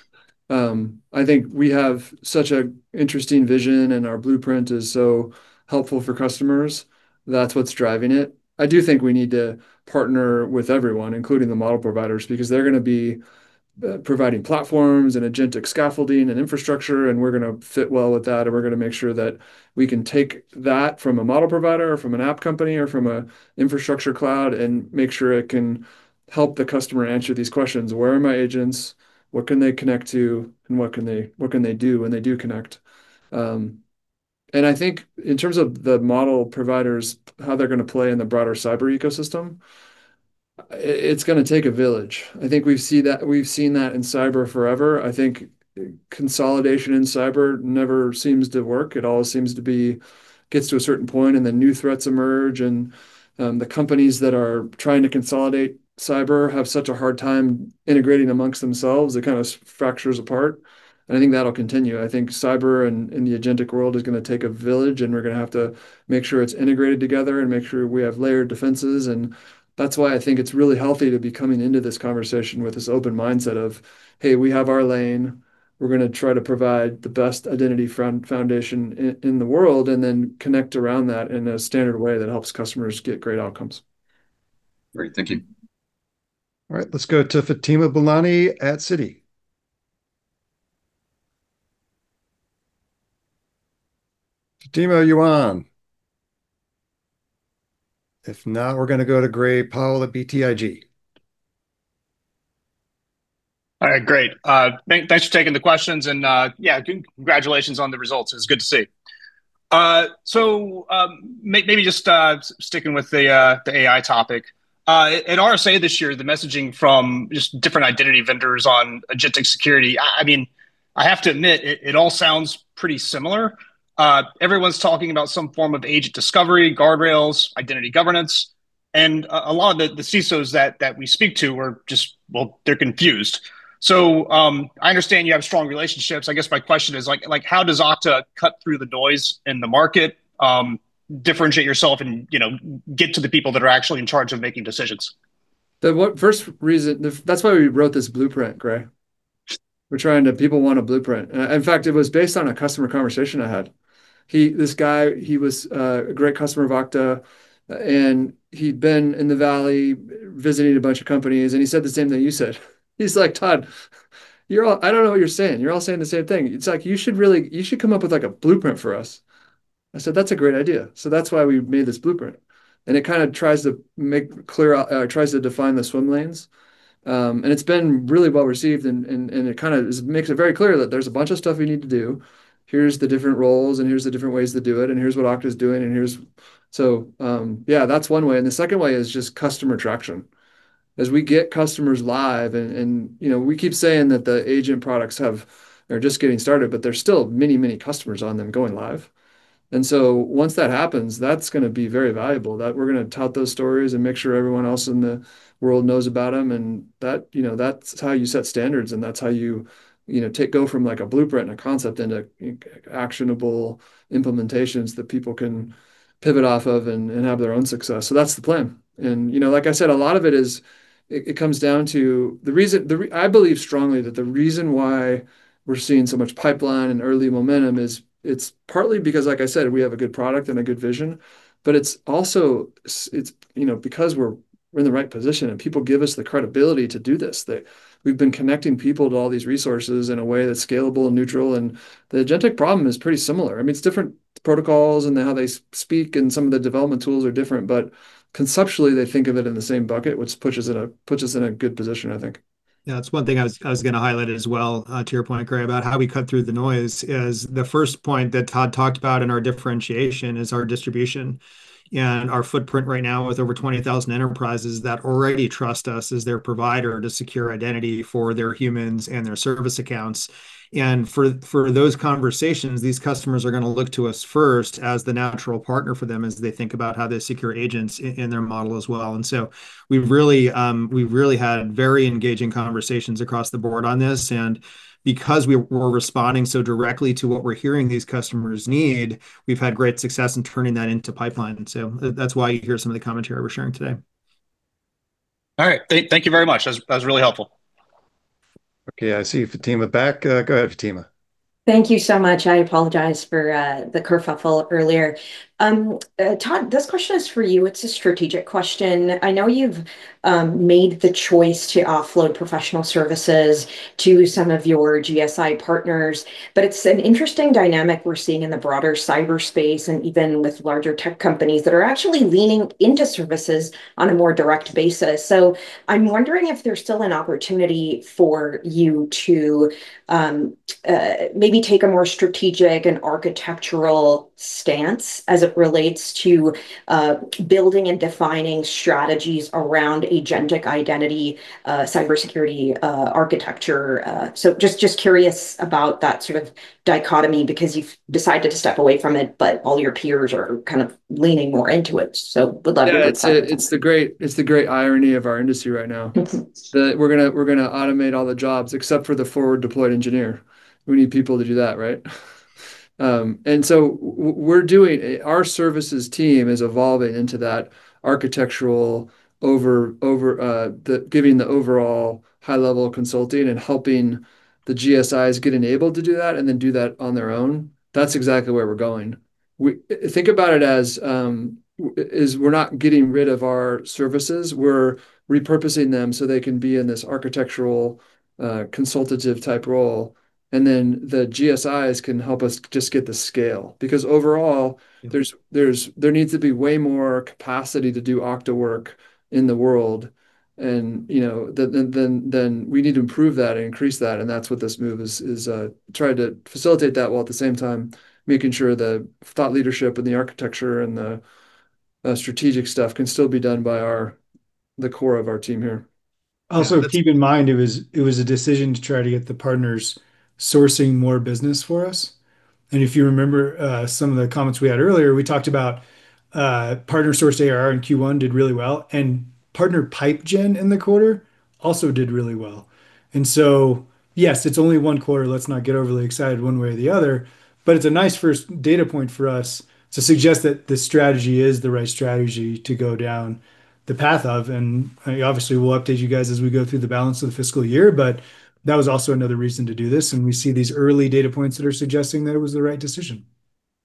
B: I think we have such an interesting vision, and our blueprint is so helpful for customers. That's what's driving it. I do think we need to partner with everyone, including the model providers, because they're going to be providing platforms and agentic scaffolding and infrastructure, and we're going to fit well with that. We're going to make sure that we can take that from a model provider or from an app company or from an infrastructure cloud and make sure it can help the customer answer these questions. Where are my agents? What can they connect to, and what can they do when they do connect? I think in terms of the model providers, how they're going to play in the broader cyber ecosystem, it's going to take a village. I think we've seen that in cyber forever. I think consolidation in cyber never seems to work. It always seems to be gets to a certain point, and then new threats emerge, and the companies that are trying to consolidate cyber have such a hard time integrating amongst themselves. It kind of fractures apart, and I think that'll continue. I think cyber and the agentic world is going to take a village, and we're going to have to make sure it's integrated together and make sure we have layered defenses. That's why I think it's really healthy to be coming into this conversation with this open mindset of, "Hey, we have our lane. We're going to try to provide the best identity foundation in the world, and then connect around that in a standard way that helps customers get great outcomes.
O: Great. Thank you.
A: All right. Let's go to Fatima Boolani at Citi. Fatima, are you on? If not, we're going to go to Gray Powell at BTIG.
P: All right, great. Thanks for taking the questions. Yeah, congratulations on the results. It's good to see. Maybe just sticking with the AI topic. In RSA this year, the messaging from just different identity vendors on agentic security, I have to admit, it all sounds pretty similar. Everyone's talking about some form of agent discovery, guardrails, identity governance, and a lot of the CISOs that we speak to are just, well, they're confused. I understand you have strong relationships. I guess my question is, how does Okta cut through the noise in the market, differentiate yourself, and get to the people that are actually in charge of making decisions?
B: The first reason, that's why we wrote this blueprint, Gray. People want a blueprint. In fact, it was based on a customer conversation I had. This guy, he was a great customer of Okta, and he'd been in the valley visiting a bunch of companies, and he said the same thing you said. He's like, "Todd, I don't know what you're saying. You're all saying the same thing. It's like you should come up with a blueprint for us." I said, "That's a great idea." That's why we made this blueprint, and it kind of tries to define the swim lanes. It's been really well-received, and it kind of makes it very clear that there's a bunch of stuff we need to do. Here's the different roles, and here's the different ways to do it, and here's what Okta's doing. Yeah, that's one way, and the second way is just customer traction as we get customers live. We keep saying that the agent products are just getting started, but there's still many customers on them going live. Once that happens, that's going to be very valuable, that we're going to tout those stories and make sure everyone else in the world knows about them, and that's how you set standards, and that's how you go from a blueprint and a concept into actionable implementations that people can pivot off of and have their own success. That's the plan. Like I said, it comes down to, I believe strongly that the reason why we're seeing so much pipeline and early momentum is it's partly because, like I said, we have a good product and a good vision, but it's also because we're in the right position, and people give us the credibility to do this, that we've been connecting people to all these resources in a way that's scalable and neutral. The agentic problem is pretty similar. I mean, it's different protocols and how they speak, and some of the development tools are different, but conceptually, they think of it in the same bucket, which puts us in a good position, I think.
J: That's one thing I was going to highlight as well, to your point, Gray, about how we cut through the noise, is the first point that Todd talked about in our differentiation is our distribution and our footprint right now with over 20,000 enterprises that already trust us as their provider to secure identity for their humans and their service accounts. For those conversations, these customers are going to look to us first as the natural partner for them as they think about how they secure agents in their model as well. We've really had very engaging conversations across the board on this. Because we're responding so directly to what we're hearing these customers need, we've had great success in turning that into pipeline. That's why you hear some of the commentary we're sharing today.
P: All right. Thank you very much. That was really helpful.
A: Okay, I see Fatima back. Go ahead, Fatima.
Q: Thank you so much. I apologize for the kerfuffle earlier. Todd, this question is for you. It's a strategic question. I know you've made the choice to offload professional services to some of your GSI partners, but it's an interesting dynamic we're seeing in the broader cyberspace and even with larger tech companies that are actually leaning into services on a more direct basis. I'm wondering if there's still an opportunity for you to maybe take a more strategic and architectural stance as it relates to building and defining strategies around agentic identity, cybersecurity architecture. Just curious about that sort of dichotomy because you've decided to step away from it, but all your peers are kind of leaning more into it.
B: Yeah, it's the great irony of our industry right now, that we're going to automate all the jobs except for the forward deployed engineer. We need people to do that, right? Our services team is evolving into that architectural, giving the overall high-level consulting and helping the GSIs get enabled to do that and then do that on their own. That's exactly where we're going. Think about it as we're not getting rid of our services, we're repurposing them so they can be in this architectural, consultative type role, and then the GSIs can help us just get the scale. Overall, there needs to be way more capacity to do Okta work in the world, and then we need to improve that and increase that, and that's what this move is trying to facilitate that, while at the same time, making sure the thought leadership and the architecture and the strategic stuff can still be done by the core of our team here.
C: Keep in mind it was a decision to try to get the partners sourcing more business for us. If you remember some of the comments we had earlier, we talked about partner-sourced ARR in Q1 did really well, and partner pipe gen in the quarter also did really well. Yes, it's only one quarter. Let's not get overly excited one way or the other, but it's a nice first data point for us to suggest that this strategy is the right strategy to go down the path of. Obviously, we'll update you guys as we go through the balance of the fiscal year, but that was also another reason to do this, and we see these early data points that are suggesting that it was the right decision.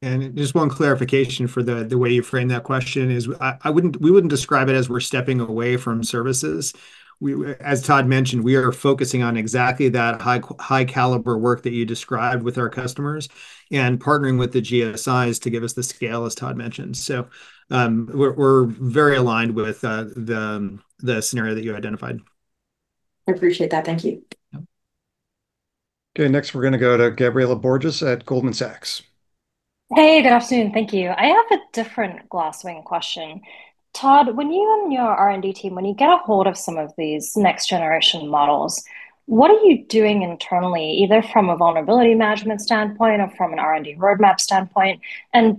J: Just one clarification for the way you framed that question is we wouldn't describe it as we're stepping away from services. As Todd mentioned, we are focusing on exactly that high caliber work that you described with our customers and partnering with the GSIs to give us the scale, as Todd mentioned. We're very aligned with the scenario that you identified.
Q: I appreciate that. Thank you.
A: Okay. Next, we're going to go to Gabriela Borges at Goldman Sachs.
R: Hey, good afternoon. Thank you. I have a different Glasswing question. Todd, when you and your R&D team, when you get a hold of some of these next generation models, what are you doing internally, either from a vulnerability management standpoint or from an R&D roadmap standpoint?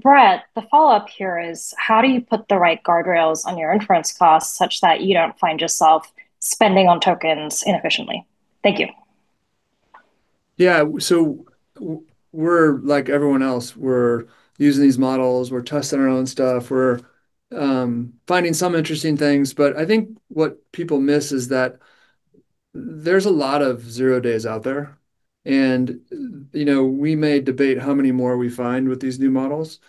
R: Brett, the follow-up here is how do you put the right guardrails on your inference costs such that you don't find yourself spending on tokens inefficiently? Thank you.
B: Yeah. We're like everyone else. We're using these models, we're testing our own stuff. I think what people miss is that. There's a lot of zero days out there, and we may debate how many more we find with these new models,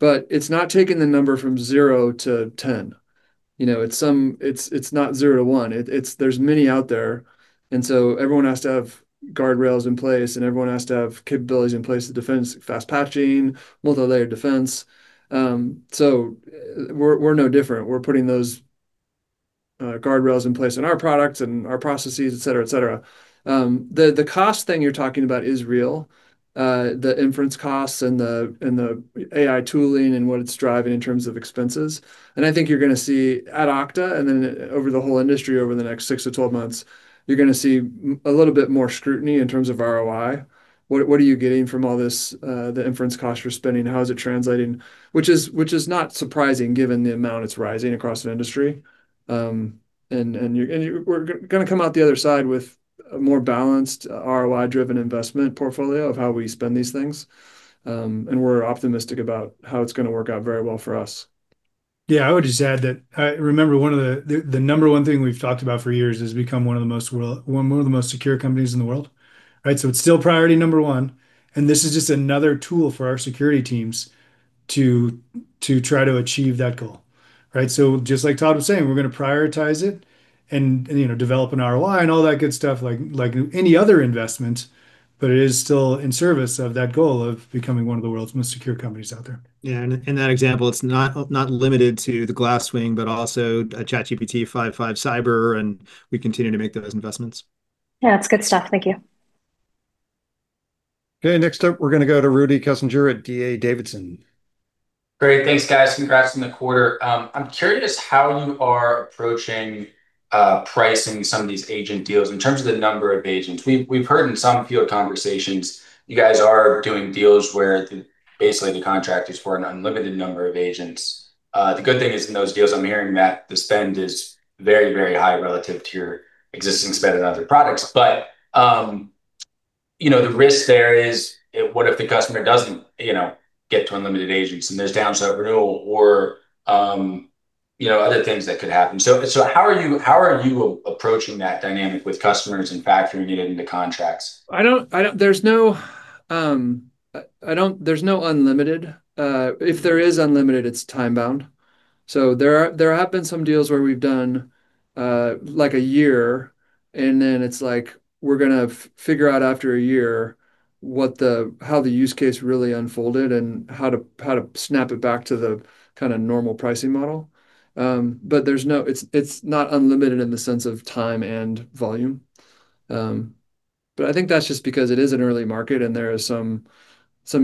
B: but it's not taking the number from zero to 10. It's not zero to one. There's many out there, and so everyone has to have guardrails in place, and everyone has to have capabilities in place to defend, fast patching, multilayer defense. We're no different. We're putting those guardrails in place in our products and our processes, et cetera. The cost thing you're talking about is real, the inference costs and the AI tooling and what it's driving in terms of expenses. I think you're going to see at Okta over the whole industry over the next 6 to 12 months, you're going to see a little bit more scrutiny in terms of ROI. What are you getting from all this, the inference costs you're spending? How is it translating? Which is not surprising given the amount it's rising across the industry. We're going to come out the other side with a more balanced ROI-driven investment portfolio of how we spend these things. We're optimistic about how it's going to work out very well for us.
C: I would just add that I remember the number one thing we've talked about for years is become one of the most secure companies in the world, right? It's still priority number one, and this is just another tool for our security teams to try to achieve that goal, right? Just like Todd was saying, we're going to prioritize it and develop an ROI and all that good stuff like any other investment, but it is still in service of that goal of becoming one of the world's most secure companies out there.
J: That example, it's not limited to the Glasswing, but also ChatGPT-5.5-Cyber, and we continue to make those investments.
R: Yeah, it's good stuff. Thank you.
A: Okay, next up we're going to go to Rudy Kessinger at D.A. Davidson.
S: Great. Thanks, guys. Congrats on the quarter. I'm curious how you are approaching pricing some of these agent deals in terms of the number of agents. We've heard in some field conversations you guys are doing deals where basically the contract is for an unlimited number of agents. The good thing is, in those deals, I'm hearing that the spend is very high relative to your existing spend on other products. The risk there is what if the customer doesn't get to unlimited agents and there's downside renewal or other things that could happen. How are you approaching that dynamic with customers and factoring it into contracts?
B: There's no unlimited. If there is unlimited, it's time-bound. There have been some deals where we've done like a year, and then it's like we're going to figure out after a year how the use case really unfolded and how to snap it back to the normal pricing model. It's not unlimited in the sense of time and volume. I think that's just because it is an early market and there are some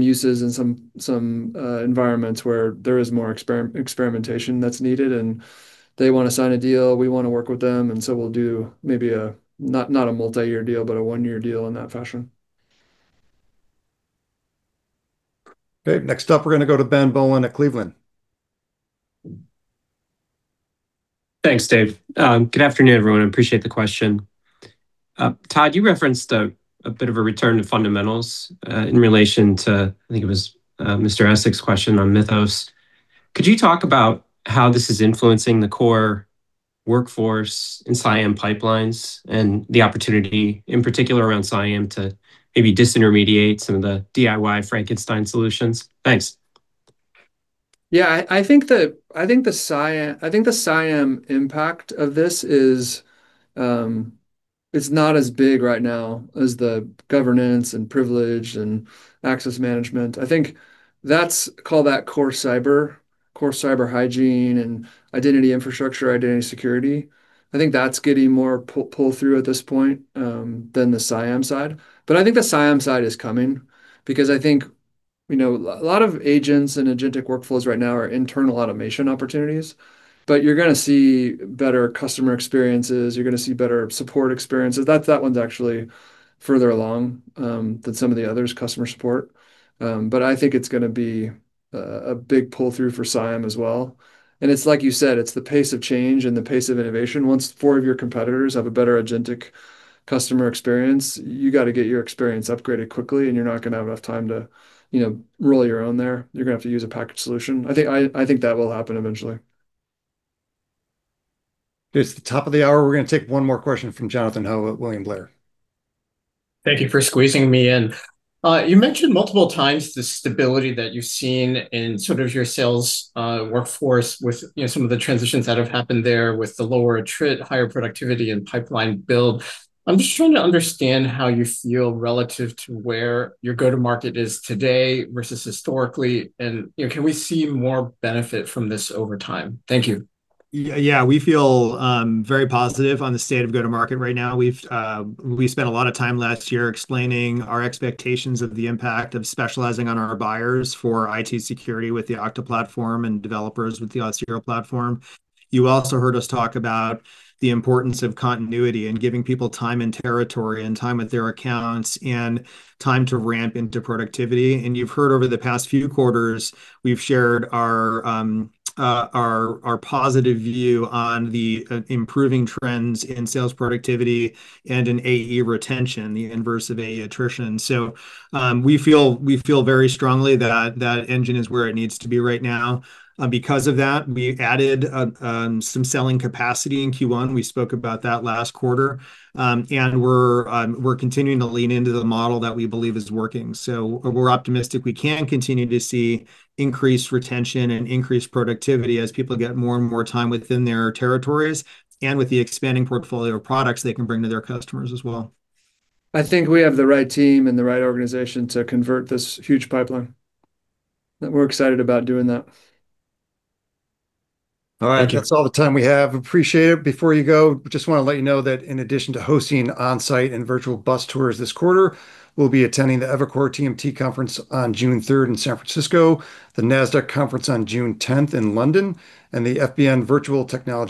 B: uses and some environments where there is more experimentation that's needed, and they want to sign a deal, we want to work with them, and so we'll do maybe not a multi-year deal, but a one-year deal in that fashion.
A: Okay. Next up we're going to go to Ben Bollin at Cleveland.
T: Thanks, Dave. Good afternoon, everyone. Appreciate the question. Todd, you referenced a bit of a return to fundamentals, in relation to, I think it was Mr. Essex's question on Mythos. Could you talk about how this is influencing the core workforce in CIAM pipelines and the opportunity in particular around CIAM to maybe disintermediate some of the DIY Frankenstein solutions? Thanks.
B: Yeah, I think the CIAM impact of this is, it's not as big right now as the governance and privilege and access management. Call that core cyber, core cyber hygiene and identity infrastructure, identity security. I think that's getting more pull through at this point, than the CIAM side. I think the CIAM side is coming because I think a lot of agents and agentic workflows right now are internal automation opportunities, but you're going to see better customer experiences, you're going to see better support experiences. That one's actually further along than some of the others, customer support. I think it's going to be a big pull through for CIAM as well. It's like you said, it's the pace of change and the pace of innovation. Once four of your competitors have a better agentic customer experience, you got to get your experience upgraded quickly. You're not going to have enough time to roll your own there. You're going to have to use a packaged solution. I think that will happen eventually.
A: It's the top of the hour. We're going to take one more question from Jonathan Ho at William Blair.
U: Thank you for squeezing me in. You mentioned multiple times the stability that you've seen in sort of your sales workforce with some of the transitions that have happened there with the lower attrit, higher productivity, and pipeline build. I'm just trying to understand how you feel relative to where your go-to-market is today versus historically, and can we see more benefit from this over time? Thank you.
J: Yeah. We feel very positive on the state of go-to-market right now. We spent a lot of time last year explaining our expectations of the impact of specializing on our buyers for IT security with the Okta platform and developers with the Auth0 platform. You also heard us talk about the importance of continuity and giving people time and territory and time with their accounts and time to ramp into productivity. You've heard over the past few quarters, we've shared our positive view on the improving trends in sales productivity and in AE retention, the inverse of AE attrition. We feel very strongly that that engine is where it needs to be right now. Because of that, we added some selling capacity in Q1. We spoke about that last quarter. We're continuing to lean into the model that we believe is working. We're optimistic we can continue to see increased retention and increased productivity as people get more and more time within their territories and with the expanding portfolio of products they can bring to their customers as well.
B: I think we have the right team and the right organization to convert this huge pipeline, and we're excited about doing that.
A: All right. That's all the time we have. Appreciate it. Before you go, just want to let you know that in addition to hosting onsite and virtual bus tours this quarter, we'll be attending the Evercore TMT Conference on June 3rd in San Francisco, the Nasdaq Conference on June 10th in London, and the FBN Virtual Technology-